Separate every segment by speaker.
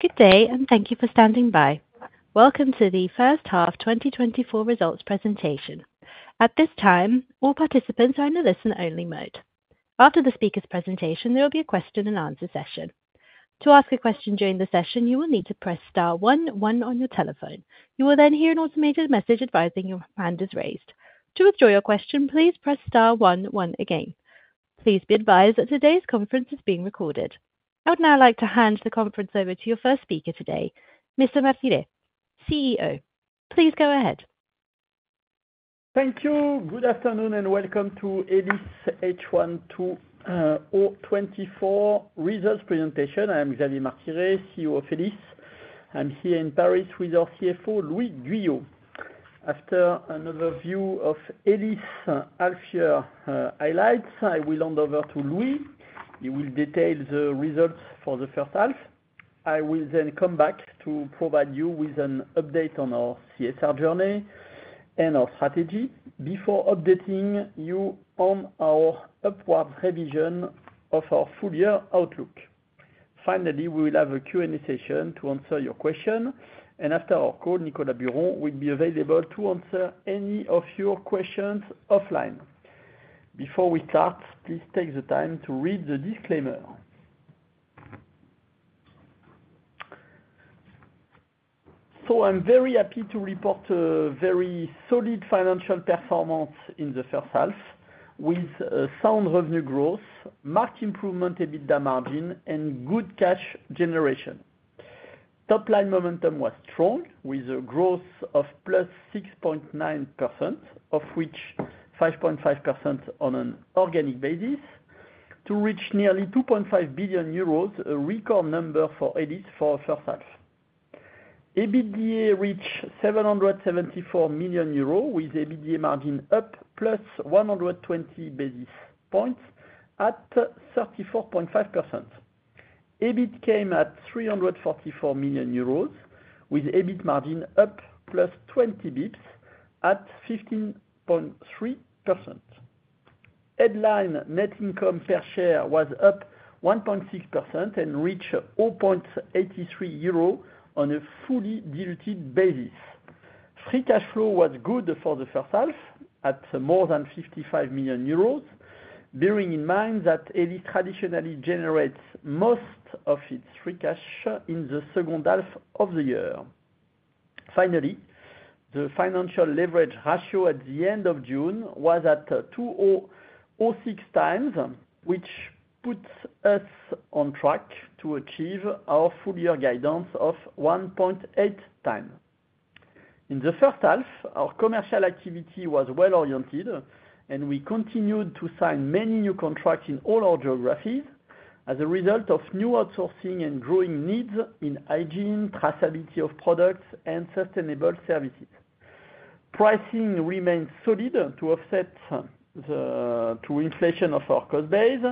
Speaker 1: Good day, and thank you for standing by. Welcome to the first half 2024 results presentation. At this time, all participants are in a listen-only mode. After the speaker's presentation, there will be a question and answer session. To ask a question during the session, you will need to press star one one on your telephone. You will then hear an automated message advising your hand is raised. To withdraw your question, please press star one one again. Please be advised that today's conference is being recorded. I would now like to hand the conference over to your first speaker today, Mr. Martiré, CEO. Please go ahead.
Speaker 2: Thank you. Good afternoon, and welcome to Elis H1 2024 results presentation. I am Xavier Martiré, CEO of Elis. I'm here in Paris with our CFO, Louis Guyot. After an overview of Elis' half year highlights, I will hand over to Louis. He will detail the results for the first half. I will then come back to provide you with an update on our CSR journey and our strategy before updating you on our upward revision of our full year outlook. Finally, we will have a Q&A session to answer your question, and after our call, Nicolas Buron will be available to answer any of your questions offline. Before we start, please take the time to read the disclaimer. So I'm very happy to report a very solid financial performance in the first half, with a sound revenue growth, marked improvement EBITDA margin, and good cash generation. Top-line momentum was strong, with a growth of +6.9%, of which 5.5% on an organic basis, to reach nearly 2.5 billion euros, a record number for Elis for first half. EBITDA reached 774 million euros, with EBITDA margin up +120 basis points at 34.5%. EBIT came at 344 million euros, with EBIT margin up +20 basis points at 15.3%. Headline net income per share was up 1.6% and reached 0.83 euro on a fully diluted basis. Free cash flow was good for the first half at more than 55 million euros, bearing in mind that Elis traditionally generates most of its free cash in the second half of the year. Finally, the financial leverage ratio at the end of June was at 2.06 times, which puts us on track to achieve our full year guidance of 1.8 times. In the first half, our commercial activity was well-oriented, and we continued to sign many new contracts in all our geographies as a result of new outsourcing and growing needs in hygiene, traceability of products and sustainable services. Pricing remains solid to offset the inflation of our cost base,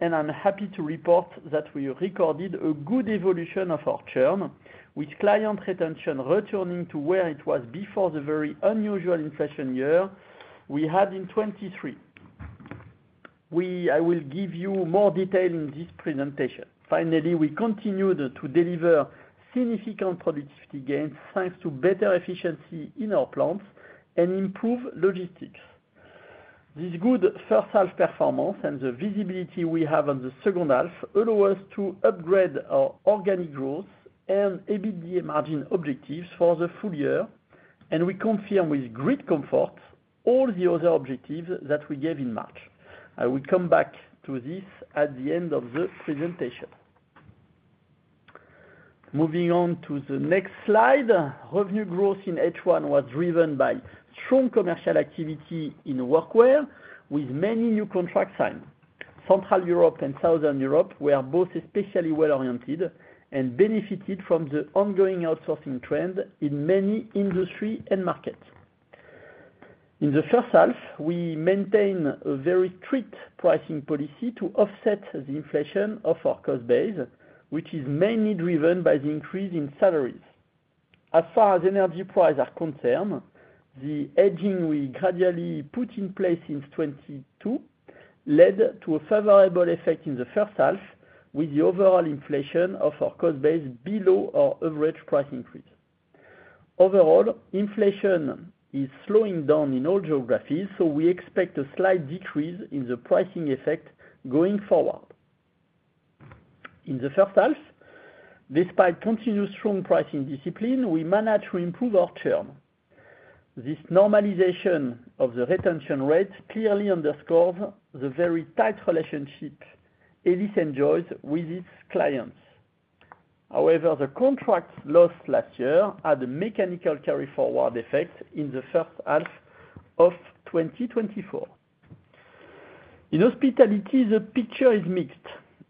Speaker 2: and I'm happy to report that we recorded a good evolution of our churn, with client retention returning to where it was before the very unusual inflation year we had in 2023. I will give you more detail in this presentation. Finally, we continued to deliver significant productivity gains, thanks to better efficiency in our plants and improve logistics. This good first half performance and the visibility we have on the second half allow us to upgrade our organic growth and EBITDA margin objectives for the full year, and we confirm with great comfort all the other objectives that we gave in March. I will come back to this at the end of the presentation. Moving on to the next slide. Revenue growth in H1 was driven by strong commercial activity in workwear, with many new contracts signed. Central Europe and Southern Europe were both especially well-oriented and benefited from the ongoing outsourcing trend in many industries and markets. In the first half, we maintained a very strict pricing policy to offset the inflation of our cost base, which is mainly driven by the increase in salaries. As far as energy prices are concerned, the hedging we gradually put in place in 2022 led to a favorable effect in the first half, with the overall inflation of our cost base below our average price increase. Overall, inflation is slowing down in all geographies, so we expect a slight decrease in the pricing effect going forward. In the first half, despite continued strong pricing discipline, we managed to improve our churn. This normalization of the retention rate clearly underscores the very tight relationship Elis enjoys with its clients. However, the contracts lost last year had a mechanical carry-forward effect in the first half of 2024. In hospitality, the picture is mixed.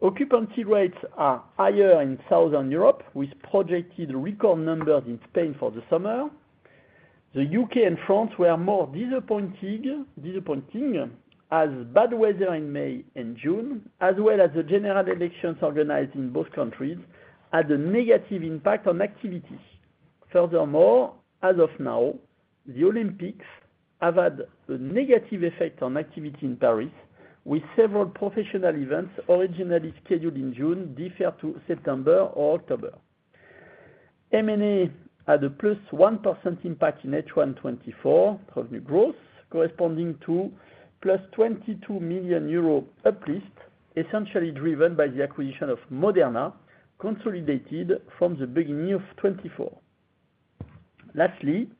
Speaker 2: Occupancy rates are higher in Southern Europe, with projected record numbers in Spain for the summer. The UK and France were more disappointing, as bad weather in May and June, as well as the general elections organized in both countries, had a negative impact on activities. Furthermore, as of now, the Olympics have had a negative effect on activity in Paris, with several professional events originally scheduled in June, deferred to September or October. M&A had a +1% impact in H1 2024 revenue growth, corresponding to +22 million euros uplift, essentially driven by the acquisition of Moderna, consolidated from the beginning of 2024. Lastly,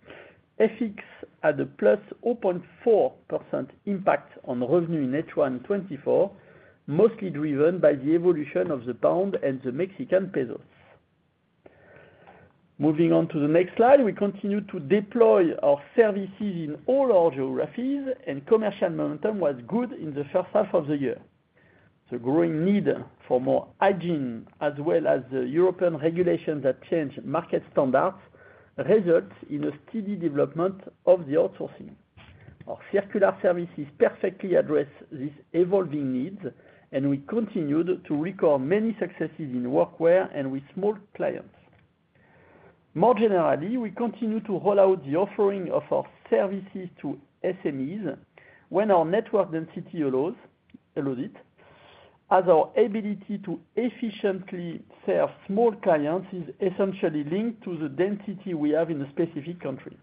Speaker 2: FX had a +0.4% impact on revenue in H1 2024, mostly driven by the evolution of the pound and the Mexican pesos. Moving on to the next slide, we continue to deploy our services in all our geographies, and commercial momentum was good in the first half of the year. The growing need for more hygiene, as well as the European regulations that change market standards, results in a steady development of the outsourcing. Our circular services perfectly address these evolving needs, and we continued to record many successes in workwear and with small clients. More generally, we continue to roll out the offering of our services to SMEs when our network density allows, as our ability to efficiently serve small clients is essentially linked to the density we have in a specific country.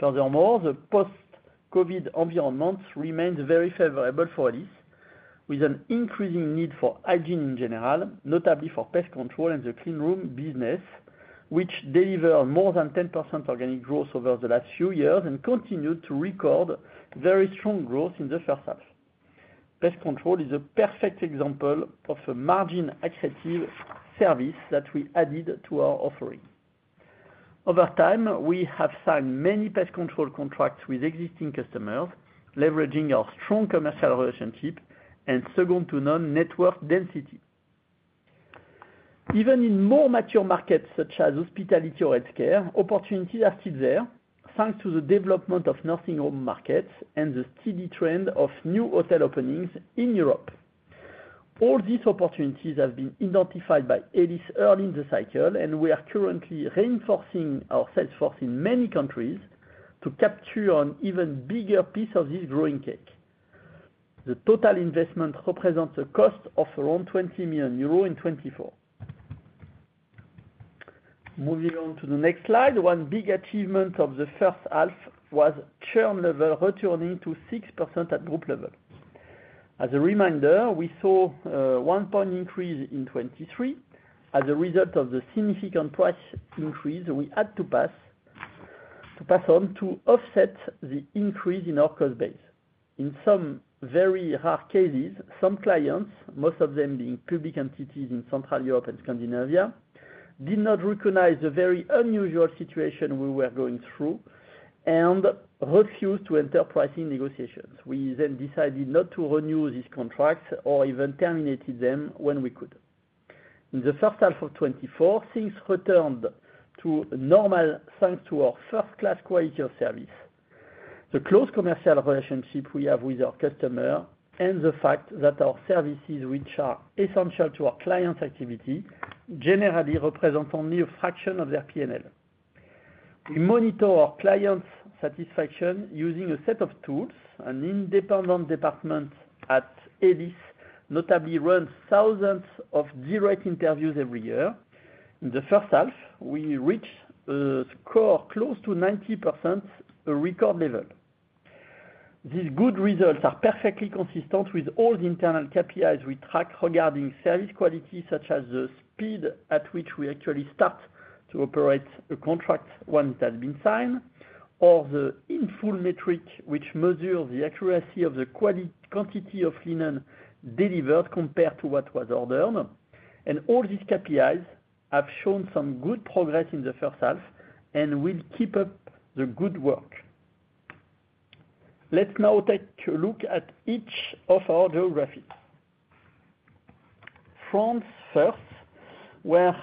Speaker 2: Furthermore, the post-COVID environment remains very favorable for this, with an increasing need for hygiene in general, notably for pest control and the clean room business, which deliver more than 10% organic growth over the last few years and continue to record very strong growth in the first half. Pest control is a perfect example of a margin accretive service that we added to our offering. Over time, we have signed many pest control contracts with existing customers, leveraging our strong commercial relationship and second to none network density. Even in more mature markets, such as hospitality or healthcare, opportunities are still there, thanks to the development of nursing home markets and the steady trend of new hotel openings in Europe. All these opportunities have been identified by Elis early in the cycle, and we are currently reinforcing our sales force in many countries to capture an even bigger piece of this growing cake. The total investment represents a cost of around 20 million euro in 2024. Moving on to the next slide, one big achievement of the first half was churn level returning to 6% at group level. As a reminder, we saw a 1-point increase in 2023 as a result of the significant price increase we had to pass, to pass on to offset the increase in our cost base. In some very rare cases, some clients, most of them being public entities in Central Europe and Scandinavia, did not recognize the very unusual situation we were going through and refused to enter pricing negotiations. We then decided not to renew these contracts or even terminated them when we could. In the first half of 2024, things returned to normal, thanks to our first-class quality of service, the close commercial relationship we have with our customer, and the fact that our services, which are essential to our clients' activity, generally represent only a fraction of their P&L. We monitor our clients' satisfaction using a set of tools. An independent department at Elis notably runs thousands of direct interviews every year. In the first half, we reached a score close to 90%, a record level. These good results are perfectly consistent with all the internal KPIs we track regarding service quality, such as the speed at which we actually start to operate a contract once it has been signed, or the in-full metric, which measures the accuracy of the quantity of linen delivered compared to what was ordered, and all these KPIs have shown some good progress in the first half and will keep up the good work. Let's now take a look at each of our geographies. France first, where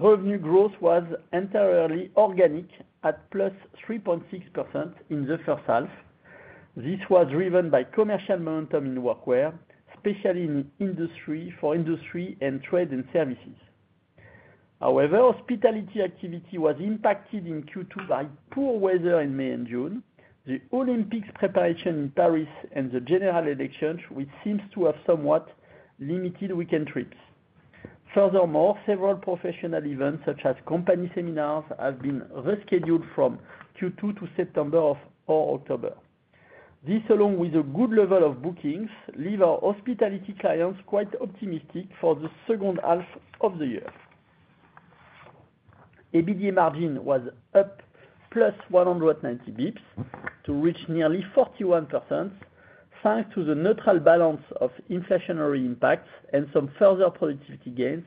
Speaker 2: revenue growth was entirely organic at +3.6% in the first half. This was driven by commercial momentum in workwear, especially in industry, for industry and trade and services. However, hospitality activity was impacted in Q2 by poor weather in May and June, the Olympics preparation in Paris, and the general elections, which seems to have somewhat limited weekend trips. Furthermore, several professional events, such as company seminars, have been rescheduled from Q2 to September or October. This, along with a good level of bookings, leave our hospitality clients quite optimistic for the second half of the year. EBITDA margin was up +190 basis points to reach nearly 41%, thanks to the neutral balance of inflationary impacts and some further productivity gains,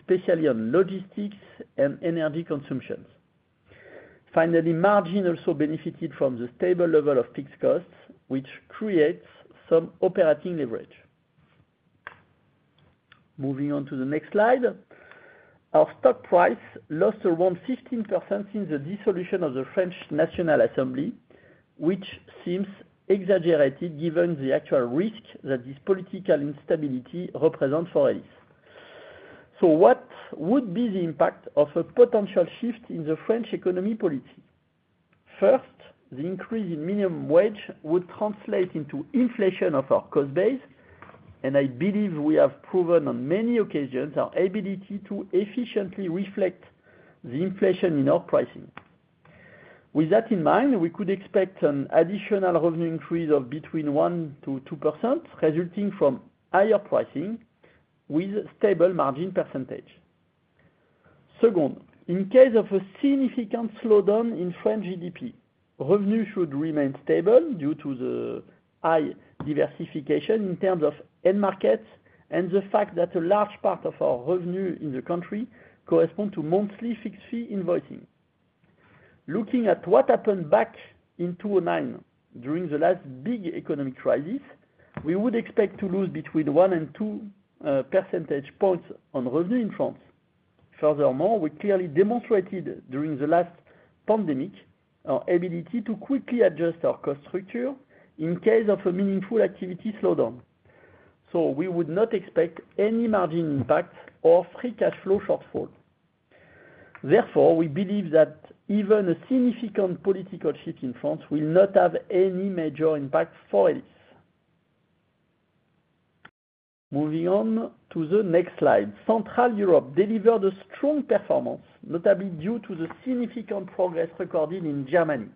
Speaker 2: especially on logistics and energy consumptions. Finally, margin also benefited from the stable level of fixed costs, which creates some operating leverage. Moving on to the next slide. Our stock price lost around 16% since the dissolution of the French National Assembly. which seems exaggerated, given the actual risk that this political instability represents for Elis. So what would be the impact of a potential shift in the French economy policy? First, the increase in minimum wage would translate into inflation of our cost base, and I believe we have proven on many occasions our ability to efficiently reflect the inflation in our pricing. With that in mind, we could expect an additional revenue increase of between 1%-2%, resulting from higher pricing with stable margin percentage. Second, in case of a significant slowdown in French GDP, revenue should remain stable due to the high diversification in terms of end markets and the fact that a large part of our revenue in the country correspond to monthly fixed-fee invoicing. Looking at what happened back in 2009, during the last big economic crisis, we would expect to lose between one and two percentage points on revenue in France. Furthermore, we clearly demonstrated during the last pandemic, our ability to quickly adjust our cost structure in case of a meaningful activity slowdown, so we would not expect any margin impact or Free Cash Flow shortfall. Therefore, we believe that even a significant political shift in France will not have any major impact for Elis. Moving on to the next slide. Central Europe delivered a strong performance, notably due to the significant progress recorded in Germany.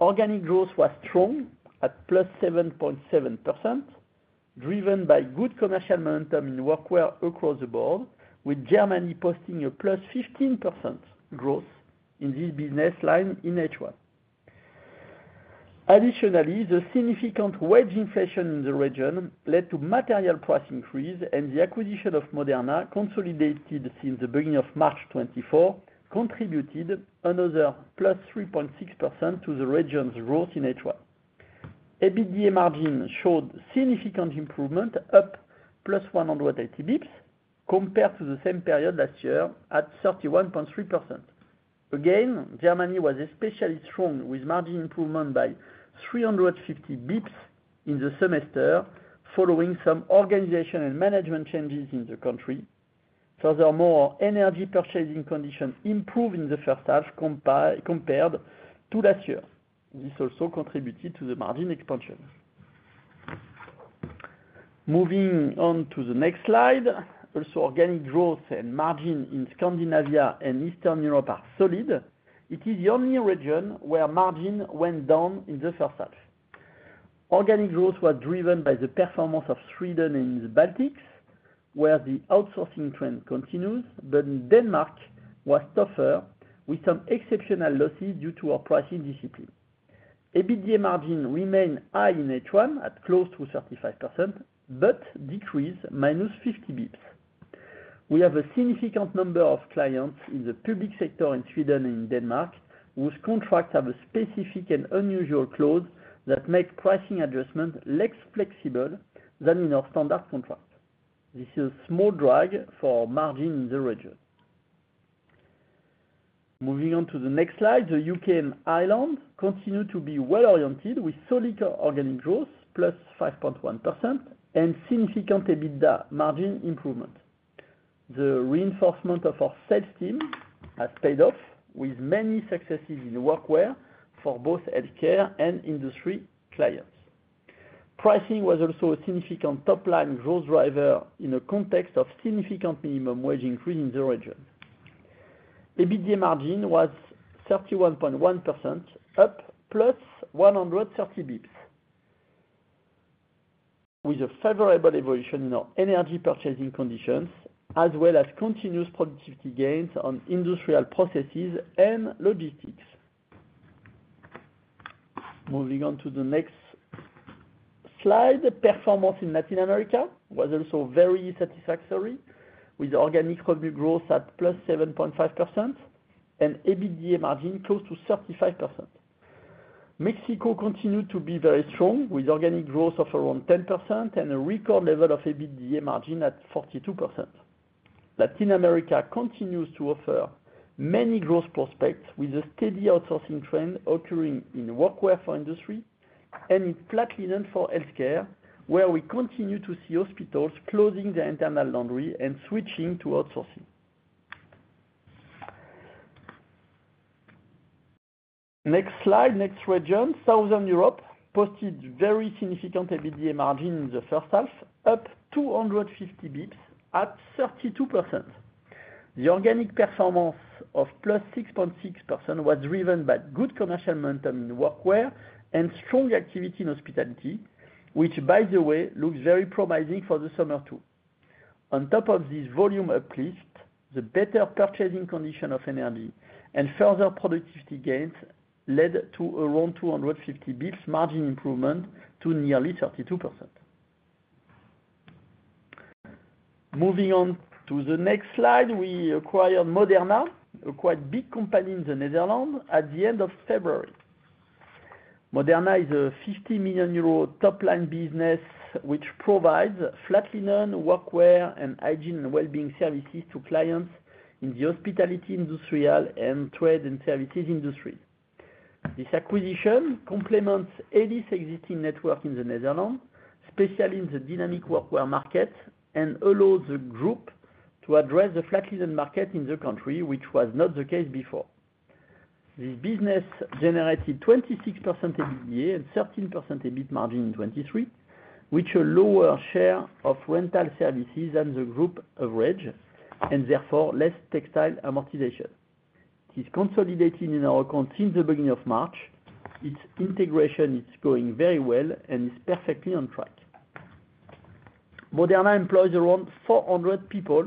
Speaker 2: Organic growth was strong at +7.7%, driven by good commercial momentum in workwear across the board, with Germany posting a +15% growth in this business line in H1. Additionally, the significant wage inflation in the region led to material price increase, and the acquisition of Moderna, consolidated since the beginning of March 2024, contributed another +3.6% to the region's growth in H1. EBITDA margin showed significant improvement, up +180 bips, compared to the same period last year at 31.3%. Again, Germany was especially strong, with margin improvement by 350 bips in the semester, following some organization and management changes in the country. Furthermore, energy purchasing conditions improved in the first half compared to last year. This also contributed to the margin expansion. Moving on to the next slide. Also, organic growth and margin in Scandinavia and Eastern Europe are solid. It is the only region where margin went down in the first half. Organic growth was driven by the performance of Sweden and the Baltics, where the outsourcing trend continues, but Denmark was tougher, with some exceptional losses due to our pricing discipline. EBITDA margin remained high in H1, at close to 35%, but decreased -50 basis points. We have a significant number of clients in the public sector in Sweden and Denmark, whose contracts have a specific and unusual clause that make pricing adjustment less flexible than in our standard contract. This is a small drag for our margin in the region. Moving on to the next slide. The UK and Ireland continue to be well-oriented, with solid organic growth, +5.1%, and significant EBITDA margin improvement. The reinforcement of our sales team has paid off, with many successes in workwear for both healthcare and industry clients. Pricing was also a significant top-line growth driver in a context of significant minimum wage increase in the region. EBITDA margin was 31.1%, up +130 basis points, with a favorable evolution in our energy purchasing conditions, as well as continuous productivity gains on industrial processes and logistics. Moving on to the next slide. Performance in Latin America was also very satisfactory, with organic revenue growth at +7.5% and EBITDA margin close to 35%. Mexico continued to be very strong, with organic growth of around 10% and a record level of EBITDA margin at 42%. Latin America continues to offer many growth prospects, with a steady outsourcing trend occurring in workwear for industry and in flat linen for healthcare, where we continue to see hospitals closing their internal laundry and switching to outsourcing. Next slide. Next region, Southern Europe, posted very significant EBITDA margin in the first half, up 250 bips at 32%. The organic performance of +6.6% was driven by good commercial momentum in workwear and strong activity in hospitality, which, by the way, looks very promising for the summer, too. On top of this volume uplift, the better purchasing condition of energy and further productivity gains led to around 250 bips margin improvement to nearly 32%. Moving on to the next slide, we acquired Moderna, a quite big company in the Netherlands, at the end of February. Moderna is a 50 million euro top-line business, which provides flat linen, workwear, and hygiene and well-being services to clients in the hospitality, industrial, and trade and services industry.... This acquisition complements Elis' existing network in the Netherlands, especially in the dynamic workwear market, and allows the group to address the flat linen market in the country, which was not the case before. This business generated 26% EBITDA and 13% EBIT margin in 2023, which a lower share of rental services than the group average, and therefore less textile amortization. It is consolidating in our account since the beginning of March. Its integration is going very well and is perfectly on track. Moderna employs around 400 people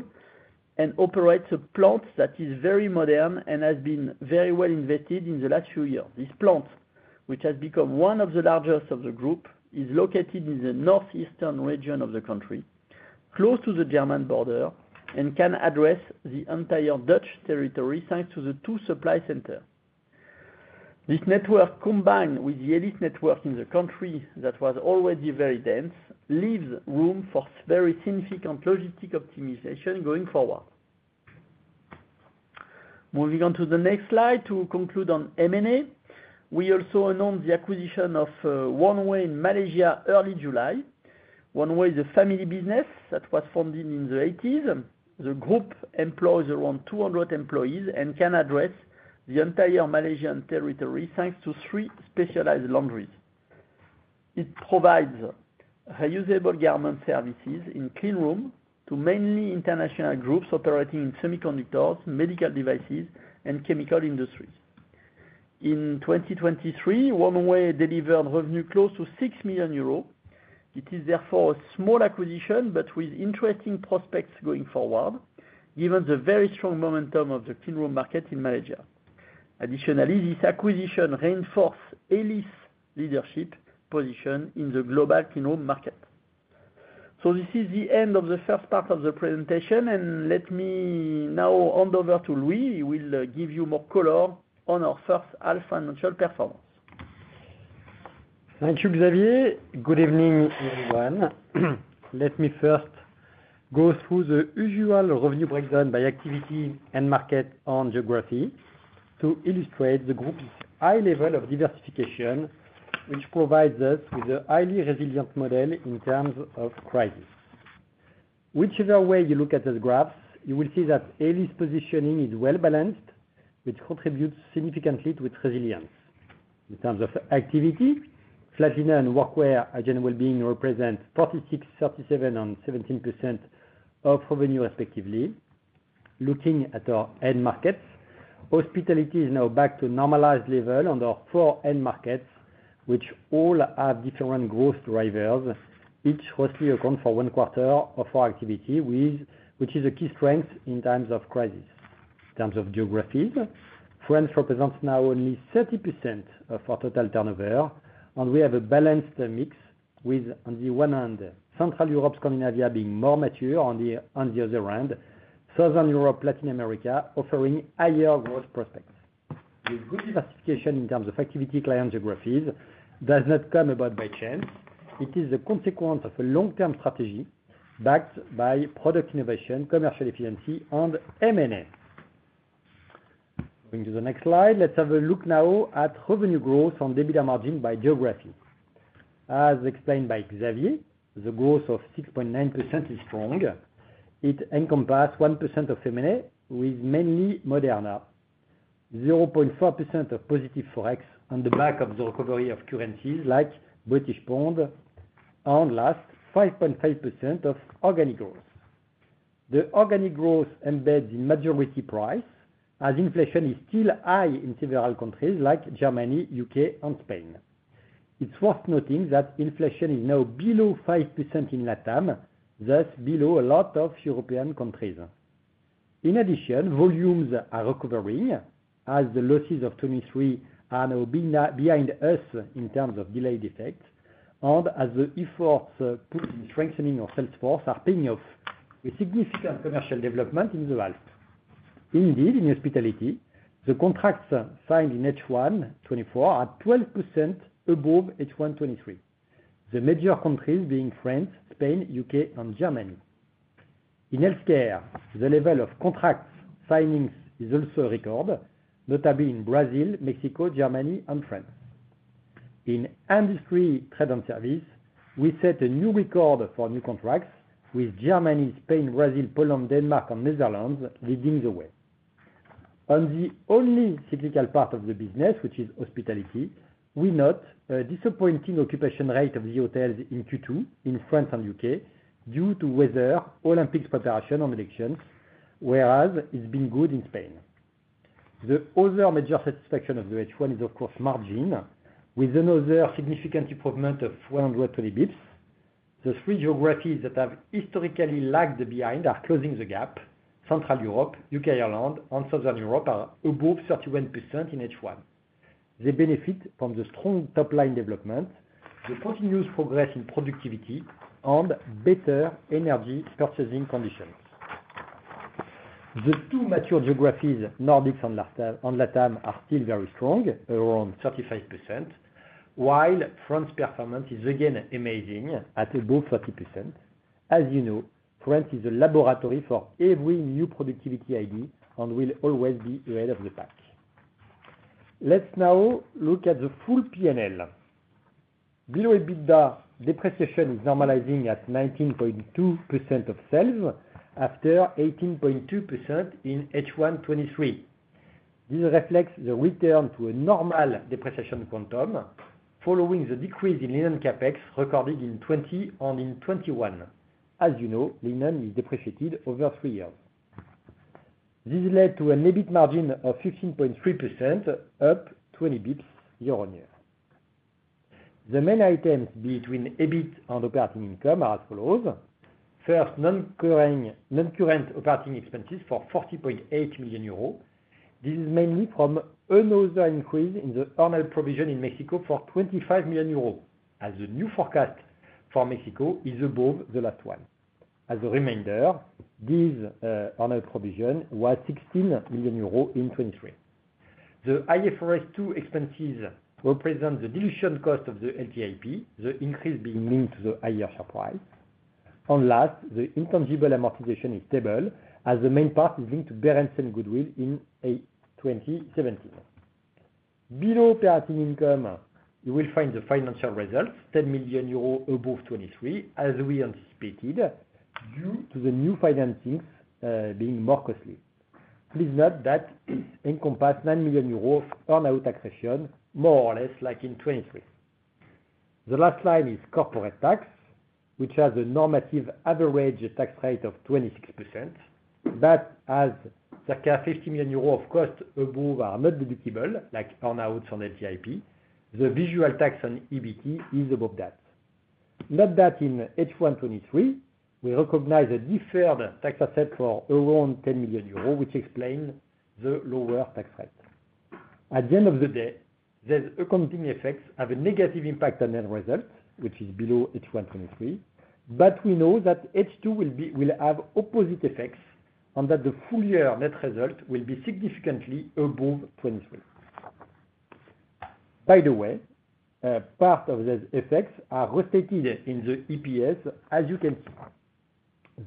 Speaker 2: and operates a plant that is very modern and has been very well invested in the last few years. This plant, which has become one of the largest of the group, is located in the northeastern region of the country, close to the German border, and can address the entire Dutch territory, thanks to the two supply center. This network, combined with the Elis network in the country that was already very dense, leaves room for very significant logistic optimization going forward. Moving on to the next slide, to conclude on M&A, we also announced the acquisition of Wonway in Malaysia, early July. Wonway is a family business that was founded in the 1980s. The group employs around 200 employees and can address the entire Malaysian territory, thanks to three specialized laundries. It provides reusable garment services in clean room to mainly international groups operating in semiconductors, medical devices, and chemical industries. In 2023, Wonway delivered revenue close to 6 million euros. It is therefore a small acquisition, but with interesting prospects going forward, given the very strong momentum of the clean room market in Malaysia. Additionally, this acquisition reinforce Elis' leadership position in the global clean room market. This is the end of the first part of the presentation, and let me now hand over to Louis. He will give you more color on our first half financial performance.
Speaker 3: Thank you, Xavier. Good evening, everyone. Let me first go through the usual revenue breakdown by activity and market on geography, to illustrate the group's high level of diversification, which provides us with a highly resilient model in terms of crisis. Whichever way you look at the graphs, you will see that Elis' positioning is well-balanced, which contributes significantly to its resilience. In terms of activity, flat linen, workwear, and general wellbeing represent 46%, 37%, and 17% of revenue, respectively. Looking at our end markets, hospitality is now back to normalized level on our four end markets, which all have different growth drivers. Each roughly account for one quarter of our activity, which is a key strength in times of crisis. In terms of geographies, France represents now only 30% of our total turnover, and we have a balanced mix with, on the one hand, Central Europe, Scandinavia being more mature, on the, on the other hand, Southern Europe, Latin America, offering higher growth prospects. The good diversification in terms of activity client geographies does not come about by chance. It is a consequence of a long-term strategy, backed by product innovation, commercial efficiency, and M&A. Going to the next slide, let's have a look now at revenue growth on EBITDA margin by geography. As explained by Xavier, the growth of 6.9% is strong. It encompass 1% of M&A, with mainly Moderna, 0.4% of positive Forex on the back of the recovery of currencies like British pound, and last, 5.5% of organic growth. The organic growth embeds the majority price, as inflation is still high in several countries like Germany, UK, and Spain. It's worth noting that inflation is now below 5% in LATAM, thus below a lot of European countries. In addition, volumes are recovering, as the losses of 2023 are now behind us in terms of delayed effects, and as the efforts put in strengthening our sales force are paying off with significant commercial development in the half. Indeed, in hospitality, the contracts signed in H1 2024 are 12% above H1 2023. The major countries being France, Spain, UK, and Germany. In healthcare, the level of contracts signings is also record, notably in Brazil, Mexico, Germany and France. In industry, trade and service, we set a new record for new contracts with Germany, Spain, Brazil, Poland, Denmark and Netherlands leading the way. On the only cyclical part of the business, which is hospitality, we note a disappointing occupancy rate of the hotels in Q2, in France and UK, due to weather, Olympic preparation and elections, whereas it's been good in Spain. The other major satisfaction of the H1 is, of course, margin, with another significant improvement of 120 bips. The three geographies that have historically lagged behind are closing the gap. Central Europe, UK, Ireland and Southern Europe are above 31% in H1. They benefit from the strong top line development, the continuous progress in productivity, and better energy purchasing conditions. The two mature geographies, Nordics and LATAM, are still very strong, around 35%, while France performance is again amazing at above 30%. As you know, France is a laboratory for every new productivity idea and will always be ahead of the pack. Let's now look at the full P&L. Below EBITDA, depreciation is normalizing at 19.2% of sales, after 18.2% in H1 2023. This reflects the return to a normal depreciation quantum, following the decrease in linen CapEx recorded in 2020 and in 2021. As you know, linen is depreciated over three years. This led to an EBIT margin of 16.3%, up 20 bps year-on-year. The main items between EBIT and operating income are as follows: First, non-recurring, non-current operating expenses for 40.8 million euros. This is mainly from another increase in the earnout provision in Mexico for 25 million euros, as the new forecast for Mexico is above the last one. As a reminder, this, earnout provision was 16 million euros in 2023. The IFRS 2 expenses represent the dilution cost of the LTIP, the increase being linked to the higher share price. And last, the intangible amortization is stable, as the main part is linked to Berendsen goodwill in 2017. Below operating income, you will find the financial results, 10 million euros above 2023, as we anticipated, due to the new financing being more costly. Please note that encompass 9 million euros earnout accretion, more or less like in 2023. The last line is corporate tax, which has a normative average tax rate of 26%. But as the 50 million euros of cost above are not deductible, like earnouts on LTIP, the visual tax on EBT is above that. Note that in H1 2023, we recognized a deferred tax asset for around 10 million euros, which explain the lower tax rate. At the end of the day, these accounting effects have a negative impact on end result, which is below H1 2023. But we know that H2 will have opposite effects, and that the full year net result will be significantly above 2023. By the way, part of these effects are restated in the EPS, as you can see.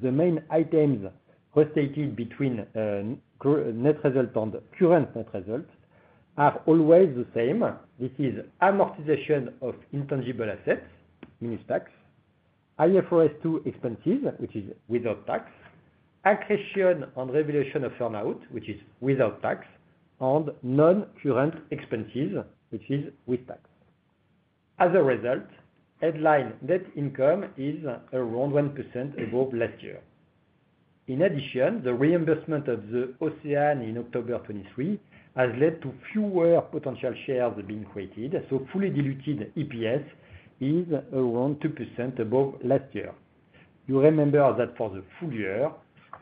Speaker 3: The main items restated between net result and current net result are always the same. This is amortization of intangible assets, minus tax. IFRS 2 expenses, which is without tax. Accretion on revaluation of earnout, which is without tax, and non-current expenses, which is with tax. As a result, headline net income is around 1% above last year. In addition, the reimbursement of the OCEANE in October 2023 has led to fewer potential shares being created, so fully diluted EPS is around 2% above last year. You remember that for the full year,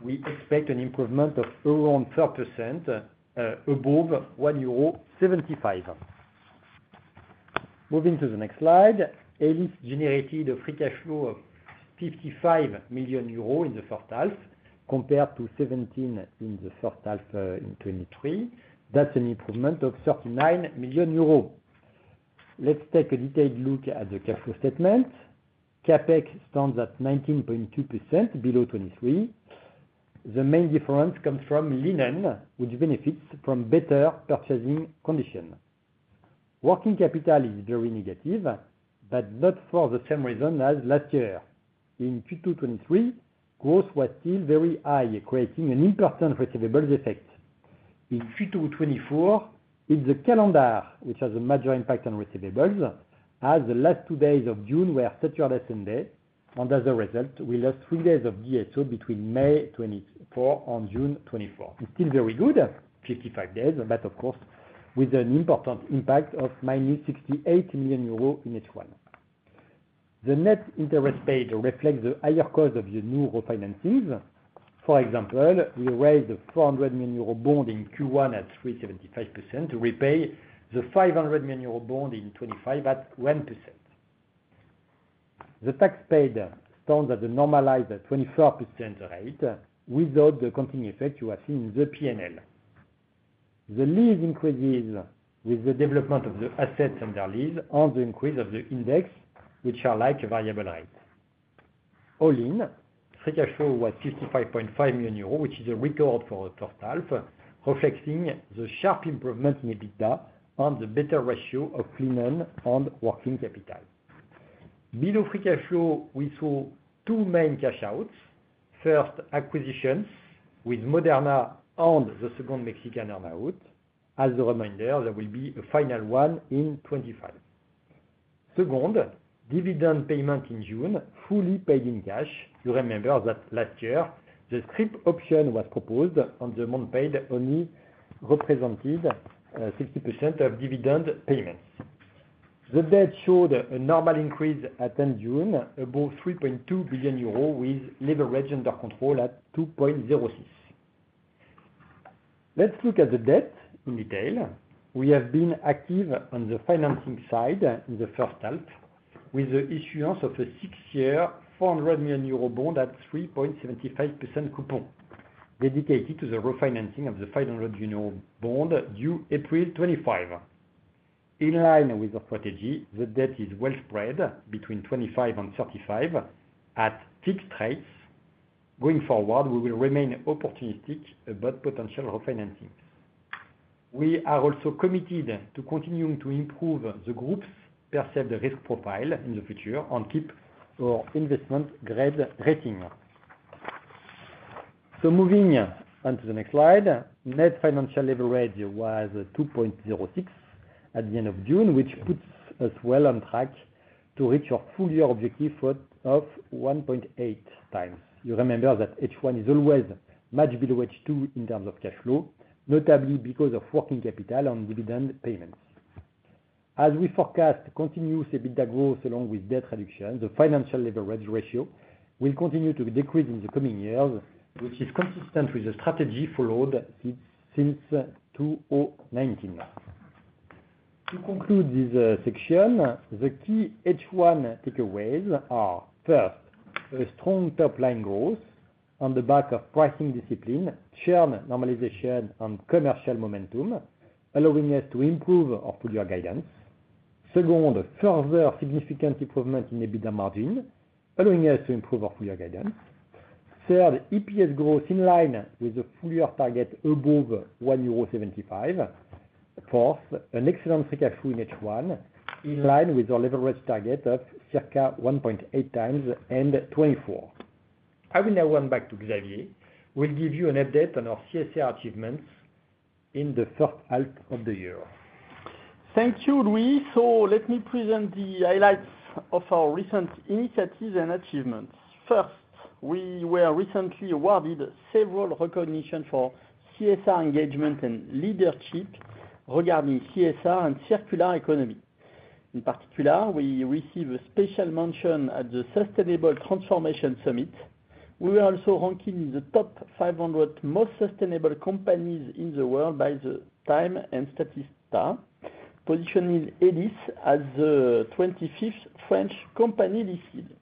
Speaker 3: we expect an improvement of around 12% above 1.75 euro. Moving to the next slide. Elis generated a free cash flow of 55 million euros in the first half, compared to 17 million in the first half in 2023. That's an improvement of 39 million euros. Let's take a detailed look at the cash flow statement. CapEx stands at 19.2%, below 2023. The main difference comes from linen, which benefits from better purchasing condition. Working capital is very negative, but not for the same reason as last year. In Q2 2023, growth was still very high, creating an important receivables effect. In Q2 2024, it's the calendar, which has a major impact on receivables, as the last two days of June were Saturday, Sunday, and as a result, we lost three days of DSO between May 2024 and June 2024. It's still very good, 55 days, but of course, with an important impact of -68 million euros in H1. The net interest paid reflects the higher cost of the new refinances. For example, we raised a 400 million euro bond in Q1 at 3.75% to repay the 500 million euro bond in 2025 at 1%. The tax paid stands at a normalized 24% rate, without the accounting effect you are seeing in the P&L. The lease increases with the development of the assets under lease and the increase of the index, which are like a variable rate. All in, free cash flow was 55.5 million euros, which is a record for the first half, reflecting the sharp improvement in EBITDA and the better ratio of linen and working capital. Below free cash flow, we saw two main cash outs. First, acquisitions with Moderna and the second Mexican earnout. As a reminder, there will be a final one in 2025. Second, dividend payment in June, fully paid in cash. You remember that last year, the scrip option was proposed, and the amount paid only represented 60% of dividend payments. The debt showed a normal increase at end June, above 3.2 billion euros, with leverage under control at 2.06. Let's look at the debt in detail. We have been active on the financing side in the first half, with the issuance of a 6-year, 400 million euro bond at 3.75% coupon, dedicated to the refinancing of the 500 million euro bond due April 25. In line with the strategy, the debt is well spread between 25 and 35 at fixed rates. Going forward, we will remain opportunistic about potential refinancings. We are also committed to continuing to improve the group's perceived risk profile in the future, and keep our investment grade rating. So moving on to the next slide. Net financial leverage was 2.06 at the end of June, which puts us well on track to reach our full year objective of 1.8 times. You remember that H1 is always much below H2 in terms of cash flow, notably because of working capital and dividend payments. As we forecast continuous EBITDA growth along with debt reduction, the financial leverage ratio will continue to decrease in the coming years, which is consistent with the strategy followed since 2019. To conclude this section, the key H1 takeaways are, first, a strong top-line growth on the back of pricing discipline, churn normalization, and commercial momentum, allowing us to improve our full year guidance. Second, further significant improvement in EBITDA margin, allowing us to improve our full year guidance. Third, EPS growth in line with the full year target above 1.75 euro. Fourth, an excellent free cash flow in H1, in line with our leverage target of circa 1.8x and 24. I will now hand back to Xavier, who will give you an update on our CSR achievements in the first half of the year.
Speaker 2: Thank you, Louis. So let me present the highlights of our recent initiatives and achievements. First, we were recently awarded several recognition for CSR engagement and leadership regarding CSR and circular economy. In particular, we received a special mention at the Sustainable Transformation Summit. We were also ranked in the top 500 most sustainable companies in the world by the Time and Statista, positioning Elis as the 25th French company listed.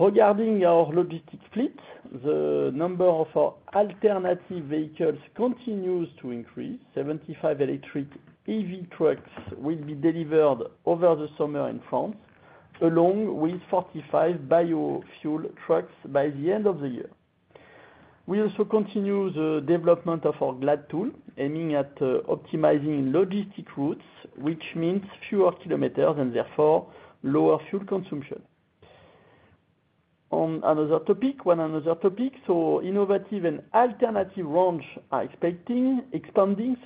Speaker 2: Regarding our logistics fleet, the number of our alternative vehicles continues to increase. 75 electric EV trucks will be delivered over the summer in France, along with 45 biofuel trucks by the end of the year. We also continue the development of our GLAD tool, aiming at optimizing logistics routes, which means fewer kilometers and therefore lower fuel consumption. On another topic, so innovative and alternative range are expecting-- expanding,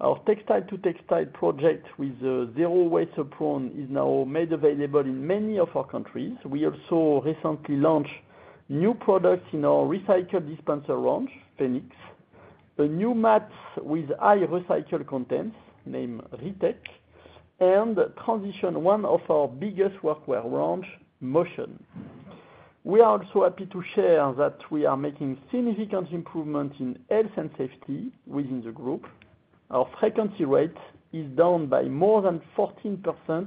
Speaker 2: sorry. Our textile-to-textile project with zero waste approach is now made available in many of our countries. We also recently launched new products in our recycled dispenser range, Phoenix, a new mats with high recycled content named ReTech, and transition one of our biggest workwear range, Motion. We are also happy to share that we are making significant improvement in health and safety within the group. Our frequency rate is down by more than 14%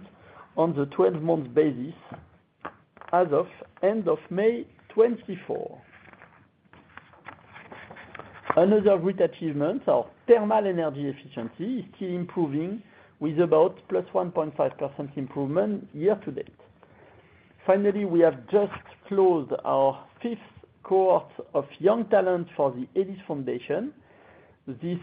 Speaker 2: on the 12-month basis as of end of May 2024. Another great achievement, our thermal energy efficiency is still improving with about +1.5% improvement year to date. Finally, we have just closed our fifth cohort of young talent for the Elis Foundation. These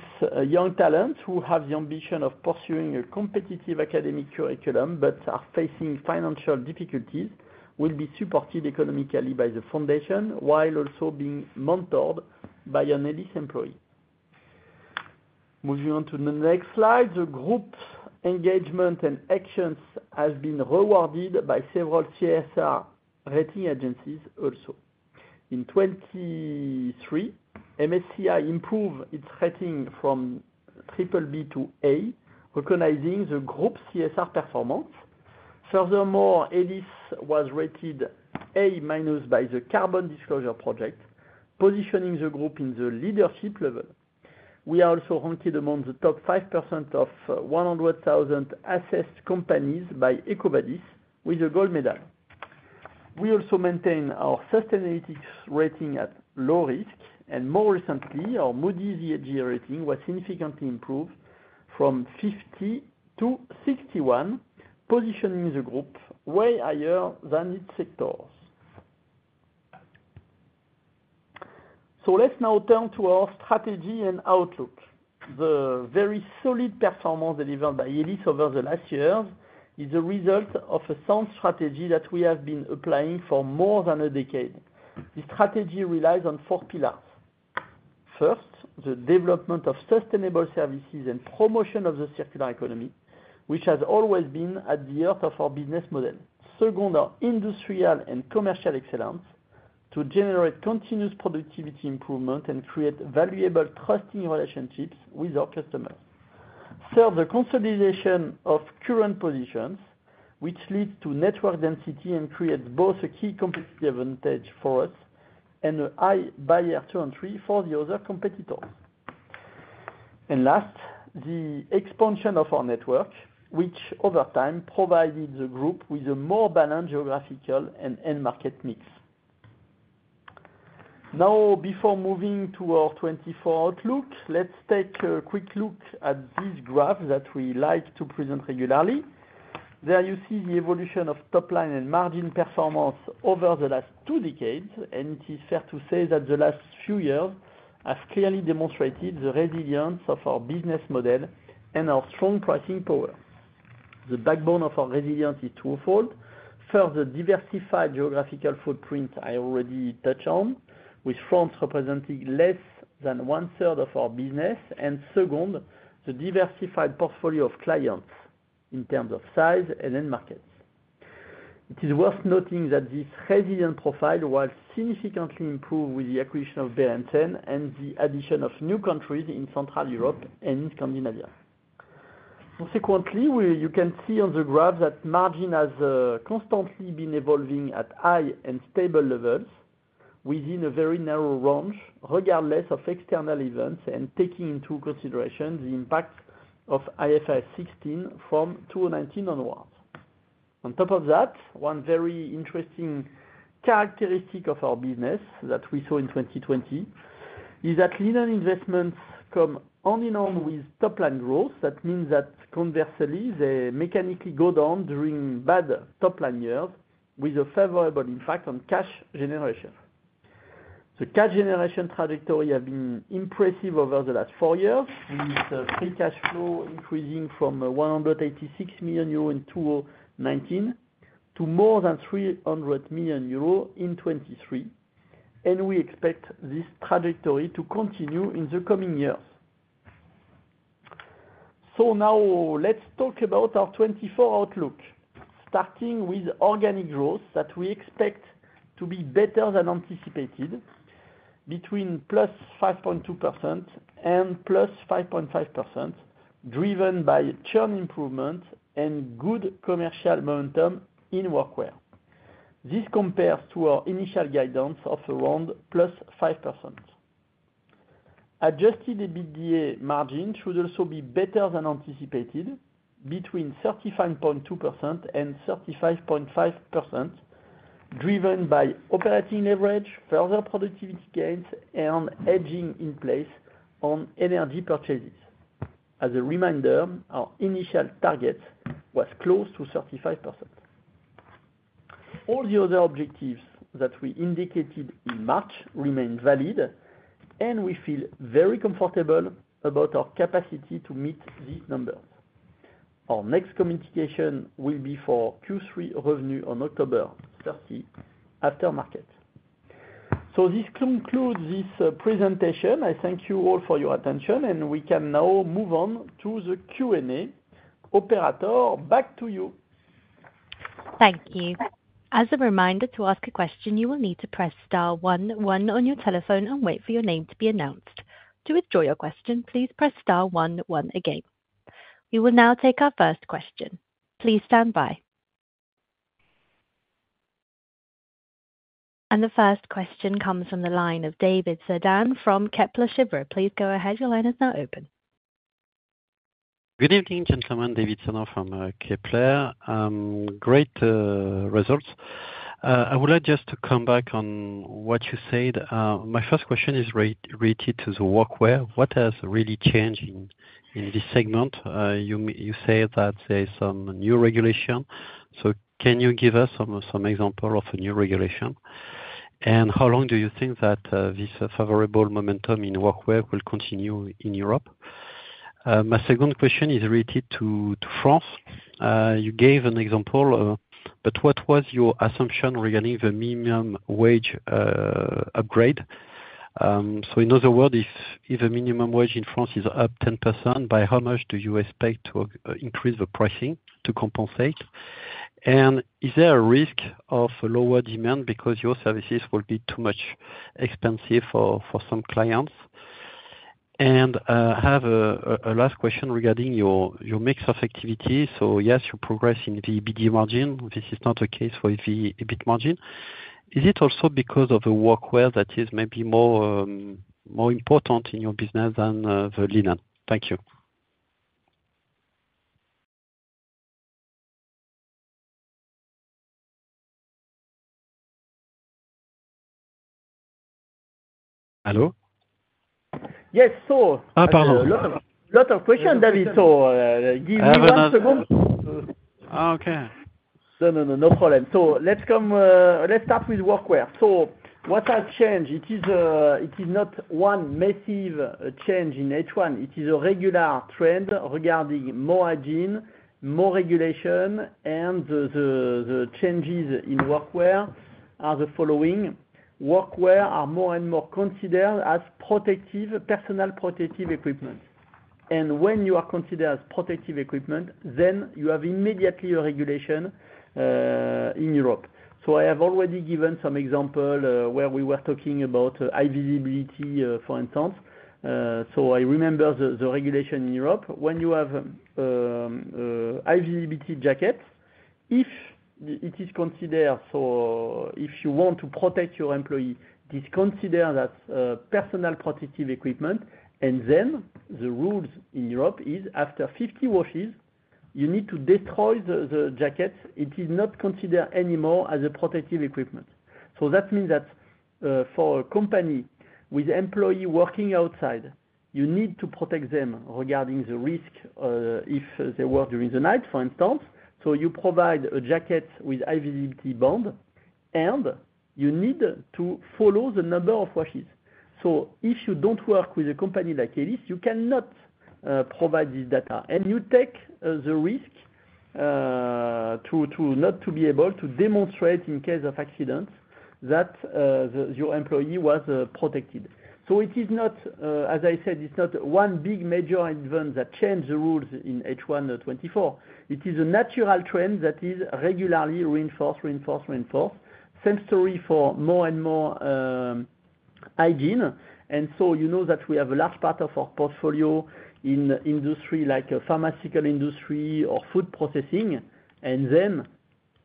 Speaker 2: young talent, who have the ambition of pursuing a competitive academic curriculum but are facing financial difficulties, will be supported economically by the foundation, while also being mentored by an Elis employee. Moving on to the next slide, the group's engagement and actions has been rewarded by several CSR rating agencies also. In 2023, MSCI improved its rating from triple B to A, recognizing the group's CSR performance. Furthermore, Elis was rated A- by the Carbon Disclosure Project, positioning the group in the leadership level. We are also ranked among the top 5% of 100,000 assessed companies by EcoVadis with a gold medal. We also maintain our sustainability rating at low risk, and more recently, our Moody's ESG rating was significantly improved from 50 to 61, positioning the group way higher than its sectors. So let's now turn to our strategy and outlook. The very solid performance delivered by Elis over the last years is a result of a sound strategy that we have been applying for more than a decade. This strategy relies on four pillars. First, the development of sustainable services and promotion of the circular economy, which has always been at the heart of our business model. Second, our industrial and commercial excellence to generate continuous productivity improvement and create valuable trusting relationships with our customers. Third, the consolidation of current positions, which leads to network density and creates both a key competitive advantage for us and a high barrier to entry for the other competitors. And last, the expansion of our network, which over time, provided the group with a more balanced geographical and end market mix. Now, before moving to our 2024 outlook, let's take a quick look at this graph that we like to present regularly. There you see the evolution of top line and margin performance over the last two decades, and it is fair to say that the last few years have clearly demonstrated the resilience of our business model and our strong pricing power. The backbone of our resilience is twofold. First, the diversified geographical footprint I already touched on, with France representing less than one-third of our business. And second, the diversified portfolio of clients in terms of size and end markets. It is worth noting that this resilient profile was significantly improved with the acquisition of Berry ten, and the addition of new countries in Central Europe and Scandinavia. Consequently, you can see on the graph that margin has constantly been evolving at high and stable levels within a very narrow range, regardless of external events, and taking into consideration the impact of IFRS 16 from 2019 onwards. On top of that, one very interesting characteristic of our business that we saw in 2020, is that linen investments come on and on with top line growth. That means that conversely, they mechanically go down during bad top line years, with a favorable impact on cash generation. The cash generation trajectory have been impressive over the last four years, with free cash flow increasing from 186 million euro in 2019, to more than 300 million euro in 2023. We expect this trajectory to continue in the coming years. Now let's talk about our 2024 outlook. Starting with organic growth, that we expect to be better than anticipated, between +5.2% and +5.5%, driven by churn improvement and good commercial momentum in workwear. This compares to our initial guidance of around +5%. Adjusted EBITDA margin should also be better than anticipated, between 35.2% and 35.5%, driven by operating leverage, further productivity gains, and hedging in place on energy purchases. As a reminder, our initial target was close to 35%. All the other objectives that we indicated in March remain valid, and we feel very comfortable about our capacity to meet these numbers. Our next communication will be for Q3 revenue on October 30, after market. This concludes this presentation. I thank you all for your attention, and we can now move on to the Q&A. Operator, back to you.
Speaker 1: Thank you. As a reminder, to ask a question, you will need to press star one one on your telephone and wait for your name to be announced. To withdraw your question, please press star one one again. We will now take our first question. Please stand by. The first question comes from the line of David Cerdan from Kepler Cheuvreux. Please go ahead, your line is now open.
Speaker 4: Good evening, gentlemen, David Cerdan from Kepler. Great results. I would like just to come back on what you said. My first question is related to the workwear. What has really changed in this segment? You said that there is some new regulation, so can you give us some example of a new regulation? And how long do you think that this favorable momentum in workwear will continue in Europe? My second question is related to France. You gave an example, but what was your assumption regarding the minimum wage upgrade? So in other words, if the minimum wage in France is up 10%, by how much do you expect to increase the pricing to compensate? Is there a risk of lower demand because your services will be too much expensive for some clients? I have a last question regarding your mix of activity. So yes, you progress in the EBITDA margin. This is not the case for EBIT margin. Is it also because of the workwear that is maybe more important in your business than the linen? Thank you.
Speaker 2: Hello? Yes,
Speaker 4: Ah, pardon.
Speaker 2: lot of, a lot of questions, David, so give me one second.
Speaker 4: Oh, okay.
Speaker 2: No, no, no, no problem. So let's come, let's start with workwear. So what has changed? It is, it is not one massive change in H1, it is a regular trend regarding more hygiene, more regulation, and the changes in workwear are the following: Workwear are more and more considered as protective, personal protective equipment. And when you are considered as protective equipment, then you have immediately a regulation in Europe. So I have already given some example, where we were talking about high visibility, for instance. So I remember the regulation in Europe, when you have high visibility jacket if it is considered, so if you want to protect your employee, it is considered as personal protective equipment, and then the rules in Europe is after 50 washes, you need to destroy the jacket. It is not considered anymore as a protective equipment. So that means that, for a company with employee working outside, you need to protect them regarding the risk, if they work during the night, for instance. So you provide a jacket with high-visibility band, and you need to follow the number of washes. So if you don't work with a company like Elis, you cannot provide this data, and you take the risk to not be able to demonstrate in case of accident, that your employee was protected. So it is not, as I said, it's not one big major event that changed the rules in H1 2024. It is a natural trend that is regularly reinforce, reinforce, reinforce. Same story for more and more hygiene. You know that we have a large part of our portfolio in industry, like pharmaceutical industry or food processing. Then,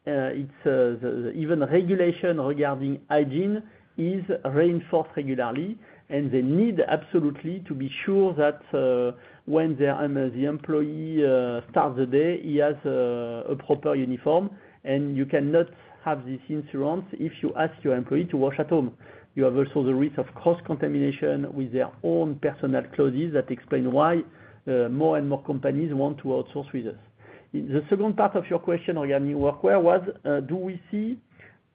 Speaker 2: it's the hygiene regulation regarding hygiene is reinforced regularly, and they need absolutely to be sure that when the employee starts the day, he has a proper uniform, and you cannot have this assurance if you ask your employee to wash at home. You have also the risk of cross-contamination with their own personal clothes. That explains why more and more companies want to outsource with us. The second part of your question regarding workwear was, do we see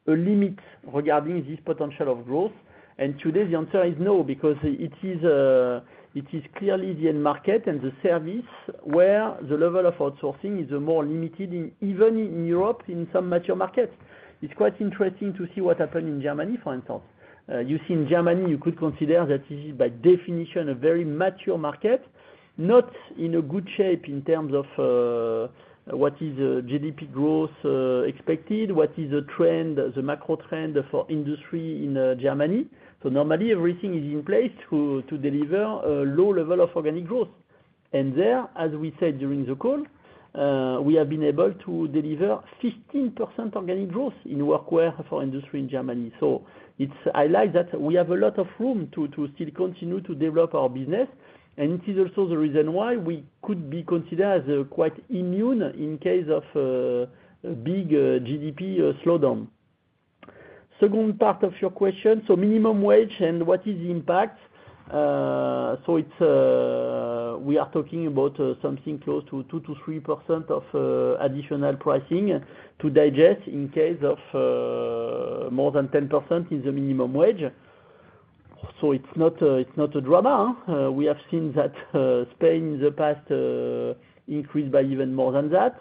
Speaker 2: a limit regarding this potential of growth? And today, the answer is no, because it is, it is clearly the end market and the service where the level of outsourcing is more limited in, even in Europe, in some mature markets. It's quite interesting to see what happened in Germany, for instance. You see in Germany, you could consider that it is, by definition, a very mature market, not in a good shape in terms of, what is, GDP growth, expected, what is the trend, the macro trend for industry in, Germany. So normally, everything is in place to, to deliver a low level of organic growth. And there, as we said during the call, we have been able to deliver 15% organic growth in workwear for industry in Germany. So it's I like that we have a lot of room to, to still continue to develop our business, and it is also the reason why we could be considered as quite immune in case of a big GDP slowdown. Second part of your question, so minimum wage and what is the impact? So it's we are talking about something close to 2%-3% of additional pricing to digest in case of more than 10% in the minimum wage. So it's not, it's not a drama. We have seen that Spain in the past increased by even more than that.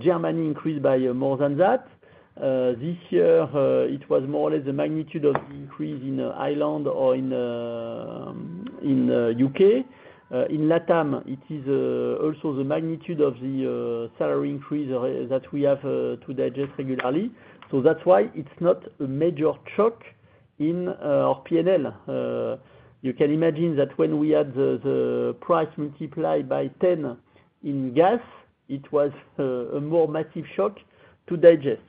Speaker 2: Germany increased by more than that. This year it was more or less the magnitude of the increase in Ireland or in in UK. In Latam, it is also the magnitude of the salary increase that we have to digest regularly. So that's why it's not a major shock in our P&L. You can imagine that when we had the price multiplied by ten in gas, it was a more massive shock to digest.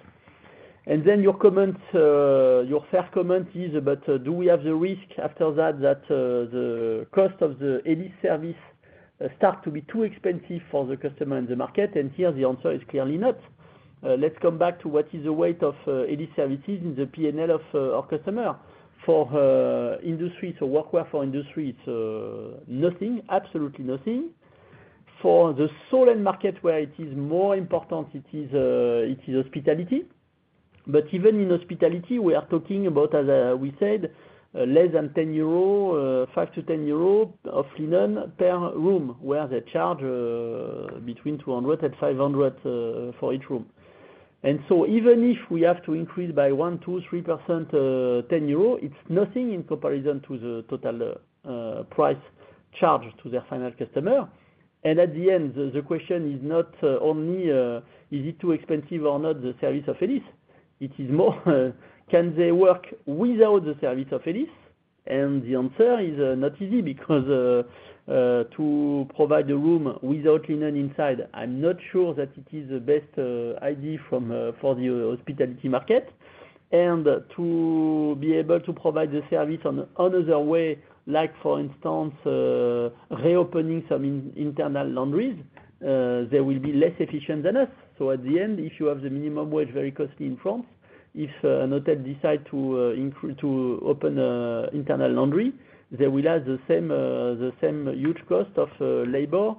Speaker 2: And then your comment, your third comment is about, do we have the risk after that, that the cost of the Elis service start to be too expensive for the customer and the market? And here the answer is clearly not. Let's come back to what is the weight of Elis services in the P&L of our customer. For industry, so workwear for industry, it's nothing, absolutely nothing. For the sole end market where it is more important, it is hospitality. But even in hospitality, we are talking about, as we said, less than 10 euro, 5 to 10 euro of linen per room, where they charge, between 200- 500, for each room. And so even if we have to increase by 1, 2, 3%, 10 euro, it's nothing in comparison to the total, price charged to their final customer. And at the end, the question is not only, is it too expensive or not, the service of Elis? It is more, can they work without the service of Elis? And the answer is not easy, because to provide the room without linen inside, I'm not sure that it is the best idea from for the hospitality market. And to be able to provide the service on another way, like, for instance, reopening some internal laundries, they will be less efficient than us. So at the end, if you have the minimum wage, very costly in France, if an hotel decide to open a internal laundry, they will have the same, the same huge cost of labor